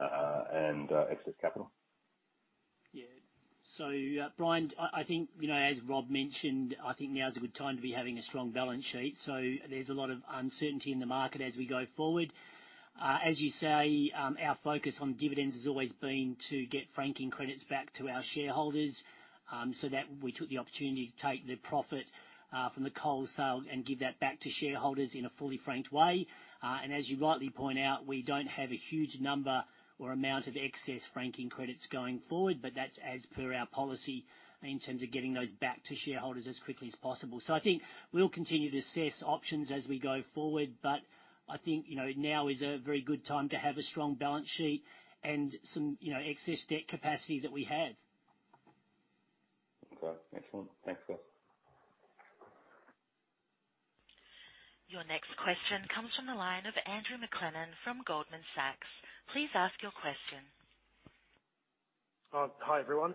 and excess capital.
Yeah. Brian, I think as Rob mentioned, I think now is a good time to be having a strong balance sheet. There is a lot of uncertainty in the market as we go forward. As you say, our focus on dividends has always been to get franking credits back to our shareholders so that we took the opportunity to take the profit from the Coles sale and give that back to shareholders in a fully franked way. As you rightly point out, we do not have a huge number or amount of excess franking credits going forward, but that is as per our policy in terms of getting those back to shareholders as quickly as possible. I think we'll continue to assess options as we go forward, but I think now is a very good time to have a strong balance sheet and some excess debt capacity that we have.
Okay. Excellent. Thanks, Chris.
Your next question comes from the line of Andrew McLennan from Goldman Sachs. Please ask your question.
Hi, everyone.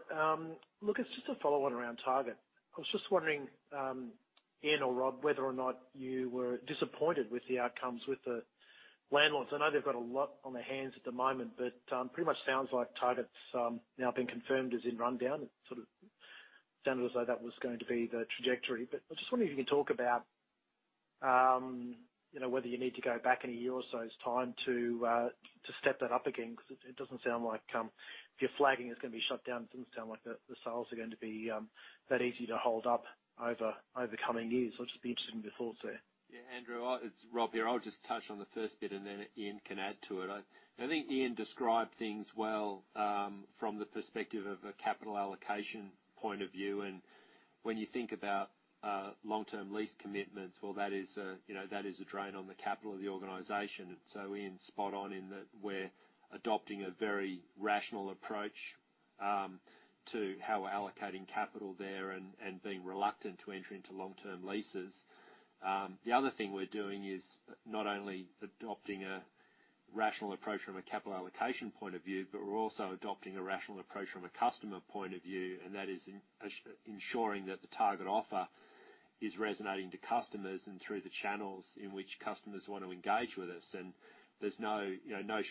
Look, it's just a follow-on around Target. I was just wondering, Ian or Rob, whether or not you were disappointed with the outcomes with the landlords. I know they've got a lot on their hands at the moment, but pretty much sounds like Target's now been confirmed as in rundown. It sort of sounded as though that was going to be the trajectory. I just wonder if you can talk about whether you need to go back in a year or so's time to step that up again because it doesn't sound like if you're flagging it's going to be shut down. It doesn't sound like the sales are going to be that easy to hold up over coming years. I'll just be interested in your thoughts there.
Yeah. Andrew, it's Rob here. I'll just touch on the first bit, and then Ian can add to it. I think Ian described things well from the perspective of a capital allocation point of view. When you think about long-term lease commitments, that is a drain on the capital of the organization. Ian, spot on in that we're adopting a very rational approach to how we're allocating capital there and being reluctant to enter into long-term leases. The other thing we're doing is not only adopting a rational approach from a capital allocation point of view, but we're also adopting a rational approach from a customer point of view. That is ensuring that the target offer is resonating to customers and through the channels in which customers want to engage with us. There is no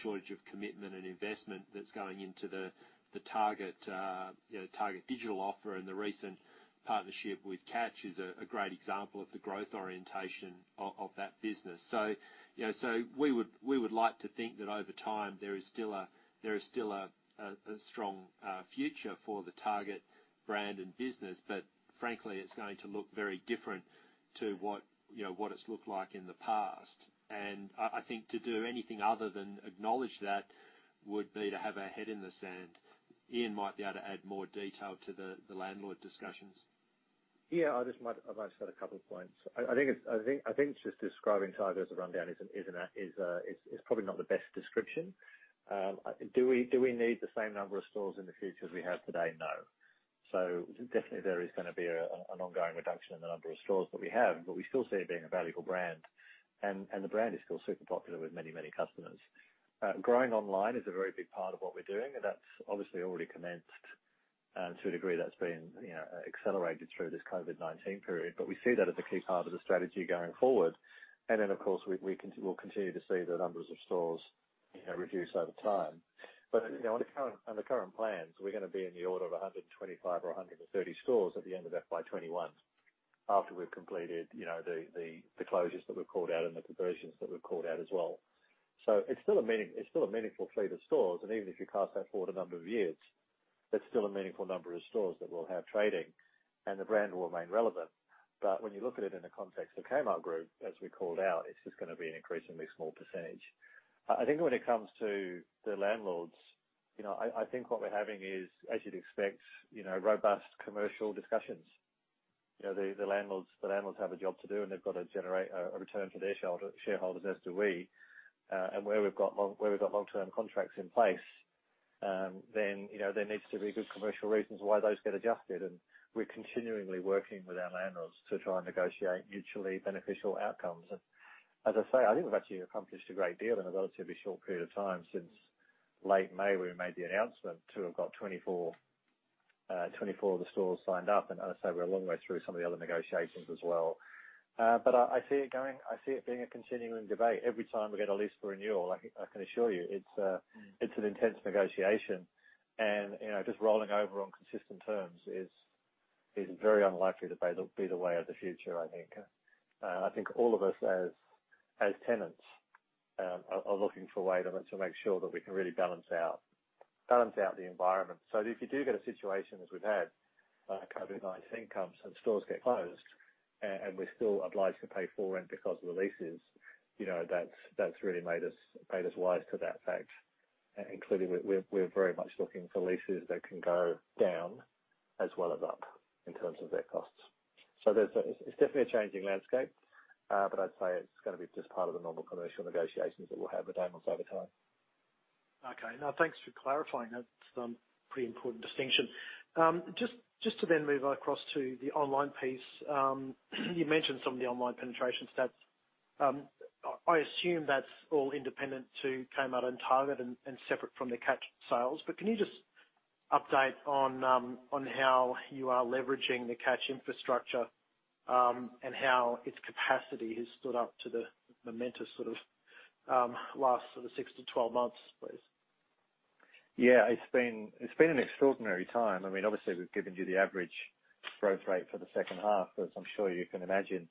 shortage of commitment and investment that is going into the Target digital offer, and the recent partnership with Catch is a great example of the growth orientation of that business. We would like to think that over time there is still a strong future for the Target brand and business, but frankly, it is going to look very different to what it has looked like in the past. I think to do anything other than acknowledge that would be to have our head in the sand. Ian might be able to add more detail to the landlord discussions.
Yeah. I just might have added a couple of points. I think just describing Target as a rundown is probably not the best description. Do we need the same number of stores in the future as we have today? No. Definitely there is going to be an ongoing reduction in the number of stores that we have, but we still see it being a valuable brand. The brand is still super popular with many, many customers. Growing online is a very big part of what we're doing, and that's obviously already commenced to a degree. That's been accelerated through this COVID-19 period. We see that as a key part of the strategy going forward. Of course, we'll continue to see the numbers of stores reduce over time. On the current plans, we're going to be in the order of 125 or 130 stores at the end of FY 2021 after we've completed the closures that we've called out and the conversions that we've called out as well. It is still a meaningful fleet of stores. Even if you cast that forward a number of years, that is still a meaningful number of stores that we'll have trading, and the brand will remain relevant. When you look at it in the context of Kmart Group, as we called out, it is just going to be an increasingly small %. I think when it comes to the landlords, I think what we're having is, as you'd expect, robust commercial discussions. The landlords have a job to do, and they've got to generate a return for their shareholders, as do we. Where we've got long-term contracts in place, there needs to be good commercial reasons why those get adjusted. We're continuingly working with our landlords to try and negotiate mutually beneficial outcomes. I think we've actually accomplished a great deal in a relatively short period of time since late May, where we made the announcement to have got 24 of the stores signed up. We're a long way through some of the other negotiations as well. I see it going; I see it being a continuing debate. Every time we get a lease for renewal, I can assure you it's an intense negotiation. Just rolling over on consistent terms is very unlikely to be the way of the future, I think. I think all of us as tenants are looking for a way to make sure that we can really balance out the environment. If you do get a situation as we've had, like COVID-19 comes and stores get closed, and we're still obliged to pay full rent because of the leases, that's really made us wise to that fact, including we're very much looking for leases that can go down as well as up in terms of their costs. It's definitely a changing landscape, but I'd say it's going to be just part of the normal commercial negotiations that we'll have with landlords over time.
Okay. No, thanks for clarifying. That's a pretty important distinction. Just to then move across to the online piece, you mentioned some of the online penetration stats. I assume that's all independent to Kmart and Target and separate from the Catch sales. Can you just update on how you are leveraging the Catch infrastructure and how its capacity has stood up to the momentous sort of last sort of 6 to 12 months, please?
Yeah. It's been an extraordinary time. I mean, obviously, we've given you the average growth rate for the second half, but I'm sure you can imagine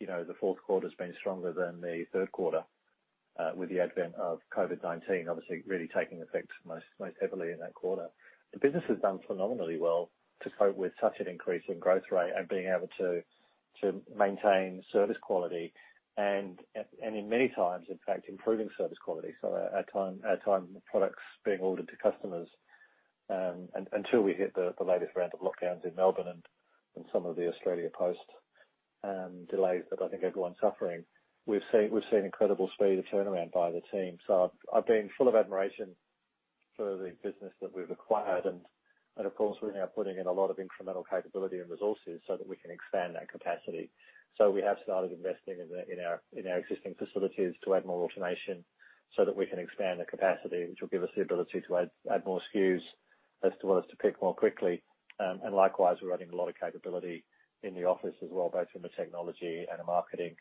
the fourth quarter has been stronger than the third quarter with the advent of COVID-19, obviously really taking effect most heavily in that quarter. The business has done phenomenally well to cope with such an increase in growth rate and being able to maintain service quality and in many times, in fact, improving service quality. Our time products being ordered to customers until we hit the latest round of lockdowns in Melbourne and some of the Australia Post delays that I think everyone's suffering, we've seen incredible speed of turnaround by the team. I've been full of admiration for the business that we've acquired. Of course, we're now putting in a lot of incremental capability and resources so that we can expand that capacity. We have started investing in our existing facilities to add more automation so that we can expand the capacity, which will give us the ability to add more SKUs as to what allows us to pick more quickly. Likewise, we're adding a lot of capability in the office as well, both from a technology and a marketing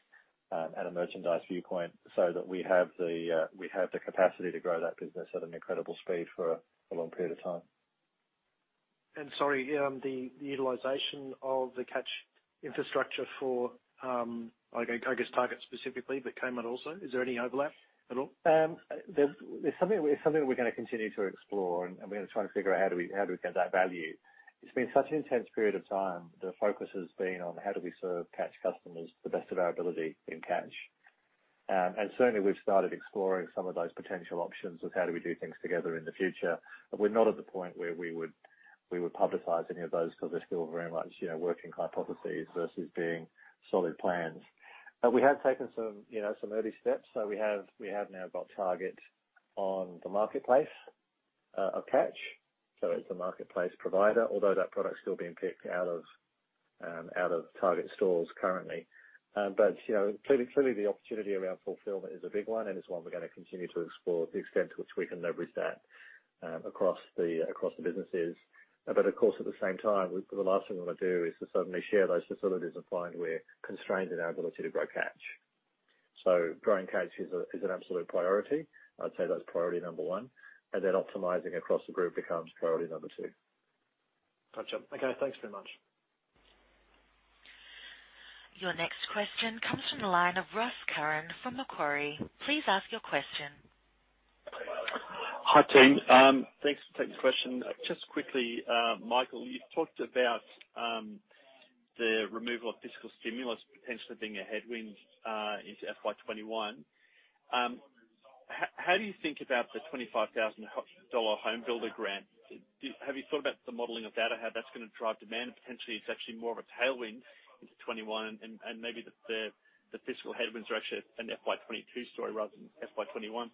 and a merchandise viewpoint so that we have the capacity to grow that business at an incredible speed for a long period of time.
Sorry, the utilization of the Catch infrastructure for, I guess, Target specifically, but Kmart also, is there any overlap at all?
It's something that we're going to continue to explore, and we're going to try to figure out how do we get that value. It's been such an intense period of time. The focus has been on how do we serve Catch customers to the best of our ability in Catch. Certainly, we've started exploring some of those potential options of how do we do things together in the future. We're not at the point where we would publicize any of those because they're still very much working hypotheses versus being solid plans. We have taken some early steps. We have now got Target on the marketplace of Catch. It's a marketplace provider, although that product's still being picked out of Target stores currently. Clearly, the opportunity around fulfillment is a big one, and it's one we're going to continue to explore the extent to which we can leverage that across the businesses. Of course, at the same time, the last thing we want to do is to suddenly share those facilities and find we're constrained in our ability to grow Catch. Growing Catch is an absolute priority. I'd say that's priority number one. Optimizing across the group becomes priority number two.
Gotcha. Okay. Thanks very much.
Your next question comes from the line of Ross Curran from Macquarie. Please ask your question.
Hi, Team. Thanks for taking the question. Just quickly, Michael, you've talked about the removal of fiscal stimulus potentially being a headwind into FY 2021. How do you think about the 25,000 dollar HomeBuilder grant? Have you thought about the modeling of that, how that's going to drive demand? Potentially, it's actually more of a tailwind into 2021 and maybe the fiscal headwinds are actually an FY 2022 story rather than FY 2021.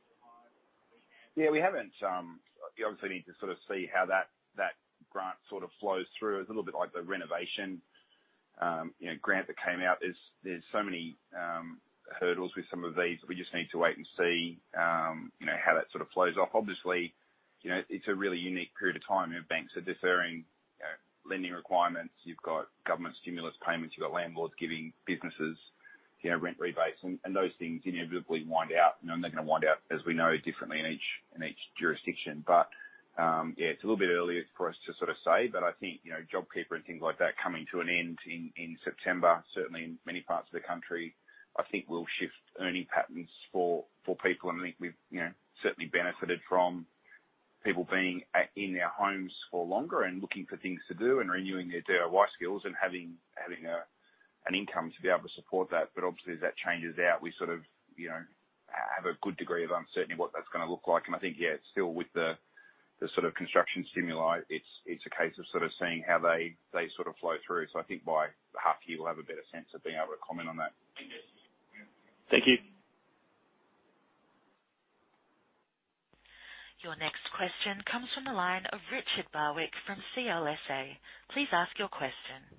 Yeah. We have not. You obviously need to sort of see how that grant sort of flows through. It is a little bit like the renovation grant that came out. There are so many hurdles with some of these. We just need to wait and see how that sort of flows off. Obviously, it is a really unique period of time. Banks are deferring lending requirements. You have got government stimulus payments. You have got landlords giving businesses rent rebates. Those things inevitably wind out. They are going to wind out, as we know, differently in each jurisdiction. Yeah, it is a little bit early for us to sort of say. I think JobKeeper and things like that coming to an end in September, certainly in many parts of the country, I think will shift earning patterns for people. I think we've certainly benefited from people being in their homes for longer and looking for things to do and renewing their DIY skills and having an income to be able to support that. Obviously, as that changes out, we sort of have a good degree of uncertainty what that's going to look like. I think, yeah, still with the sort of construction stimuli, it's a case of sort of seeing how they sort of flow through. I think by half year, we'll have a better sense of being able to comment on that. Thank you.
Your next question comes from the line of Richard Barwick from CLSA. Please ask your question.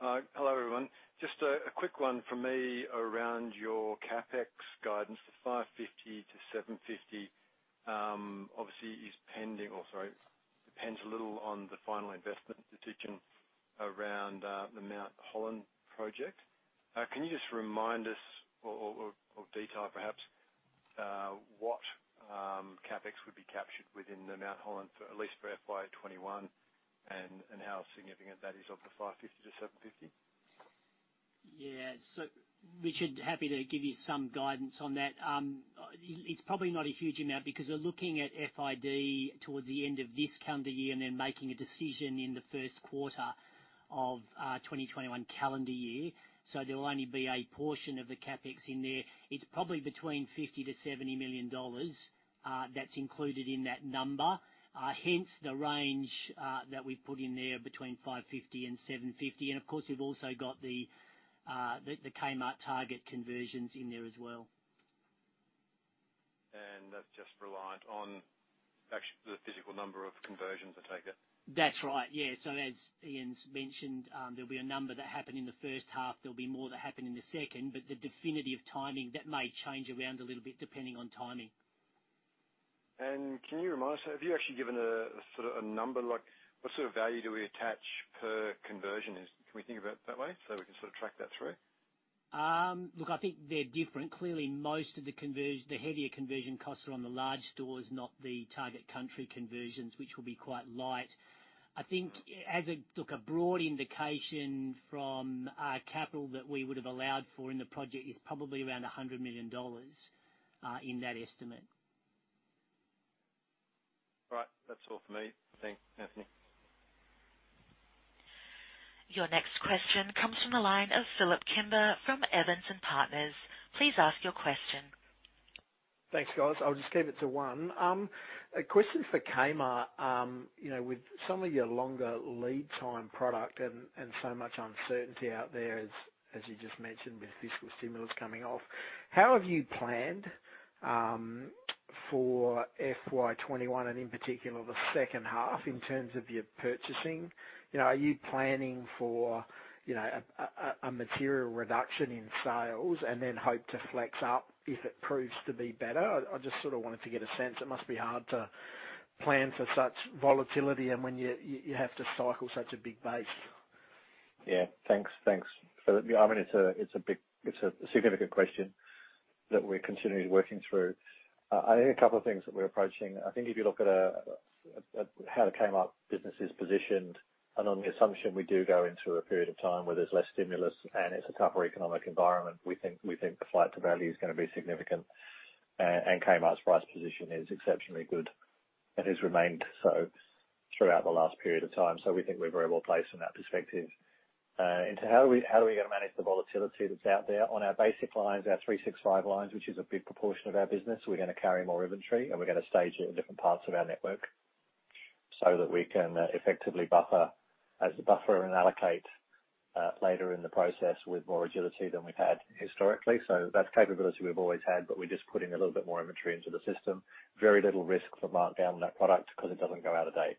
Hello, everyone. Just a quick one from me around your CapEx guidance. The 550 million-750 million, obviously, is pending or, sorry, depends a little on the final investment decision around the Mount Holland project. Can you just remind us, or detail perhaps, what CapEx would be captured within the Mount Holland, at least for FY 2021, and how significant that is of the 550 million-750 million?
Yeah. Richard, happy to give you some guidance on that. It's probably not a huge amount because we're looking at FID towards the end of this calendar year and then making a decision in the first quarter of 2021 calendar year. There will only be a portion of the CapEx in there. It's probably between 50 million-70 million dollars that's included in that number, hence the range that we've put in there between 550 million and 750 million. Of course, we've also got the Kmart Target conversions in there as well.
That's just reliant on the physical number of conversions, I take it?
That's right. Yeah. As Ian's mentioned, there'll be a number that happen in the first half. There'll be more that happen in the second. The definitive timing, that may change around a little bit depending on timing.
Can you remind us? Have you actually given a sort of a number? What sort of value do we attach per conversion? Can we think about that way so we can sort of track that through?
Look, I think they're different. Clearly, most of the heavier conversion costs are on the large stores, not the Target Country conversions, which will be quite light. I think as a broad indication from our capital that we would have allowed for in the project is probably around 100 million dollars in that estimate.
Right. That's all for me. Thanks, Anthony.
Your next question comes from the line of Phillip Kimber from Evans & Partners. Please ask your question.
Thanks, guys. I'll just keep it to one. A question for Kmart. With some of your longer lead time product and so much uncertainty out there, as you just mentioned, with fiscal stimulus coming off, how have you planned for FY 2021 and in particular the second half in terms of your purchasing? Are you planning for a material reduction in sales and then hope to flex up if it proves to be better? I just sort of wanted to get a sense. It must be hard to plan for such volatility and when you have to cycle such a big base.
Yeah. Thanks. I mean, it's a significant question that we're continually working through. I think a couple of things that we're approaching. I think if you look at how the Kmart business is positioned, and on the assumption we do go into a period of time where there's less stimulus and it's a tougher economic environment, we think the flight to value is going to be significant. Kmart's price position is exceptionally good and has remained so throughout the last period of time. We think we're very well placed from that perspective. How are we going to manage the volatility that's out there on our basic lines, our 365 lines, which is a big proportion of our business? We're going to carry more inventory, and we're going to stage it in different parts of our network so that we can effectively buffer and allocate later in the process with more agility than we've had historically. That's capability we've always had, but we're just putting a little bit more inventory into the system. Very little risk for markdown on that product because it doesn't go out of date.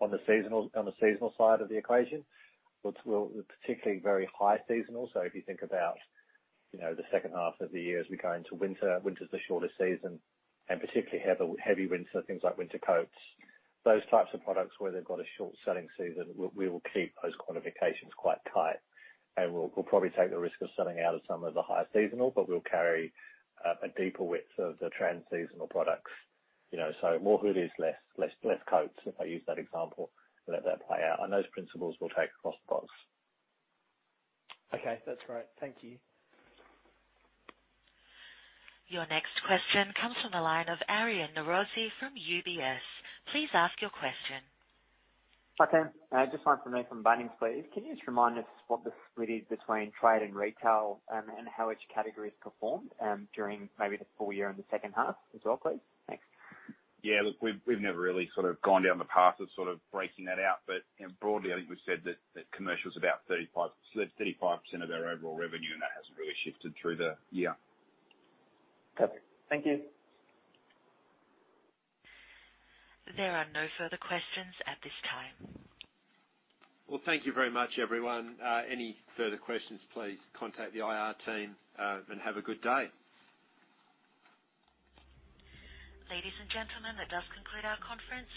On the seasonal side of the equation, particularly very high seasonal. If you think about the second half of the year as we go into winter, winter's the shortest season, and particularly heavy winter, things like winter coats, those types of products where they've got a short selling season, we will keep those quantifications quite tight. We will probably take the risk of selling out of some of the high seasonal, but we will carry a deeper width of the transseasonal products. More hoodies, less coats, if I use that example, and let that play out. Those principles we will take across the box.
Okay. That's great. Thank you.
Your next question comes from the line of Aryan Norozi from UBS. Please ask your question.
Hi there. Just one from me from Bunnings, please. Can you just remind us what the split is between trade and retail and how each category's performed during maybe the full year and the second half as well, please? Thanks.
Yeah. Look, we've never really sort of gone down the path of sort of breaking that out. But broadly, I think we've said that commercial's about 35% of our overall revenue, and that hasn't really shifted through the year.
Perfect. Thank you.
There are no further questions at this time.
Thank you very much, everyone. Any further questions, please contact the IR team and have a good day.
Ladies and gentlemen, that does conclude our conference.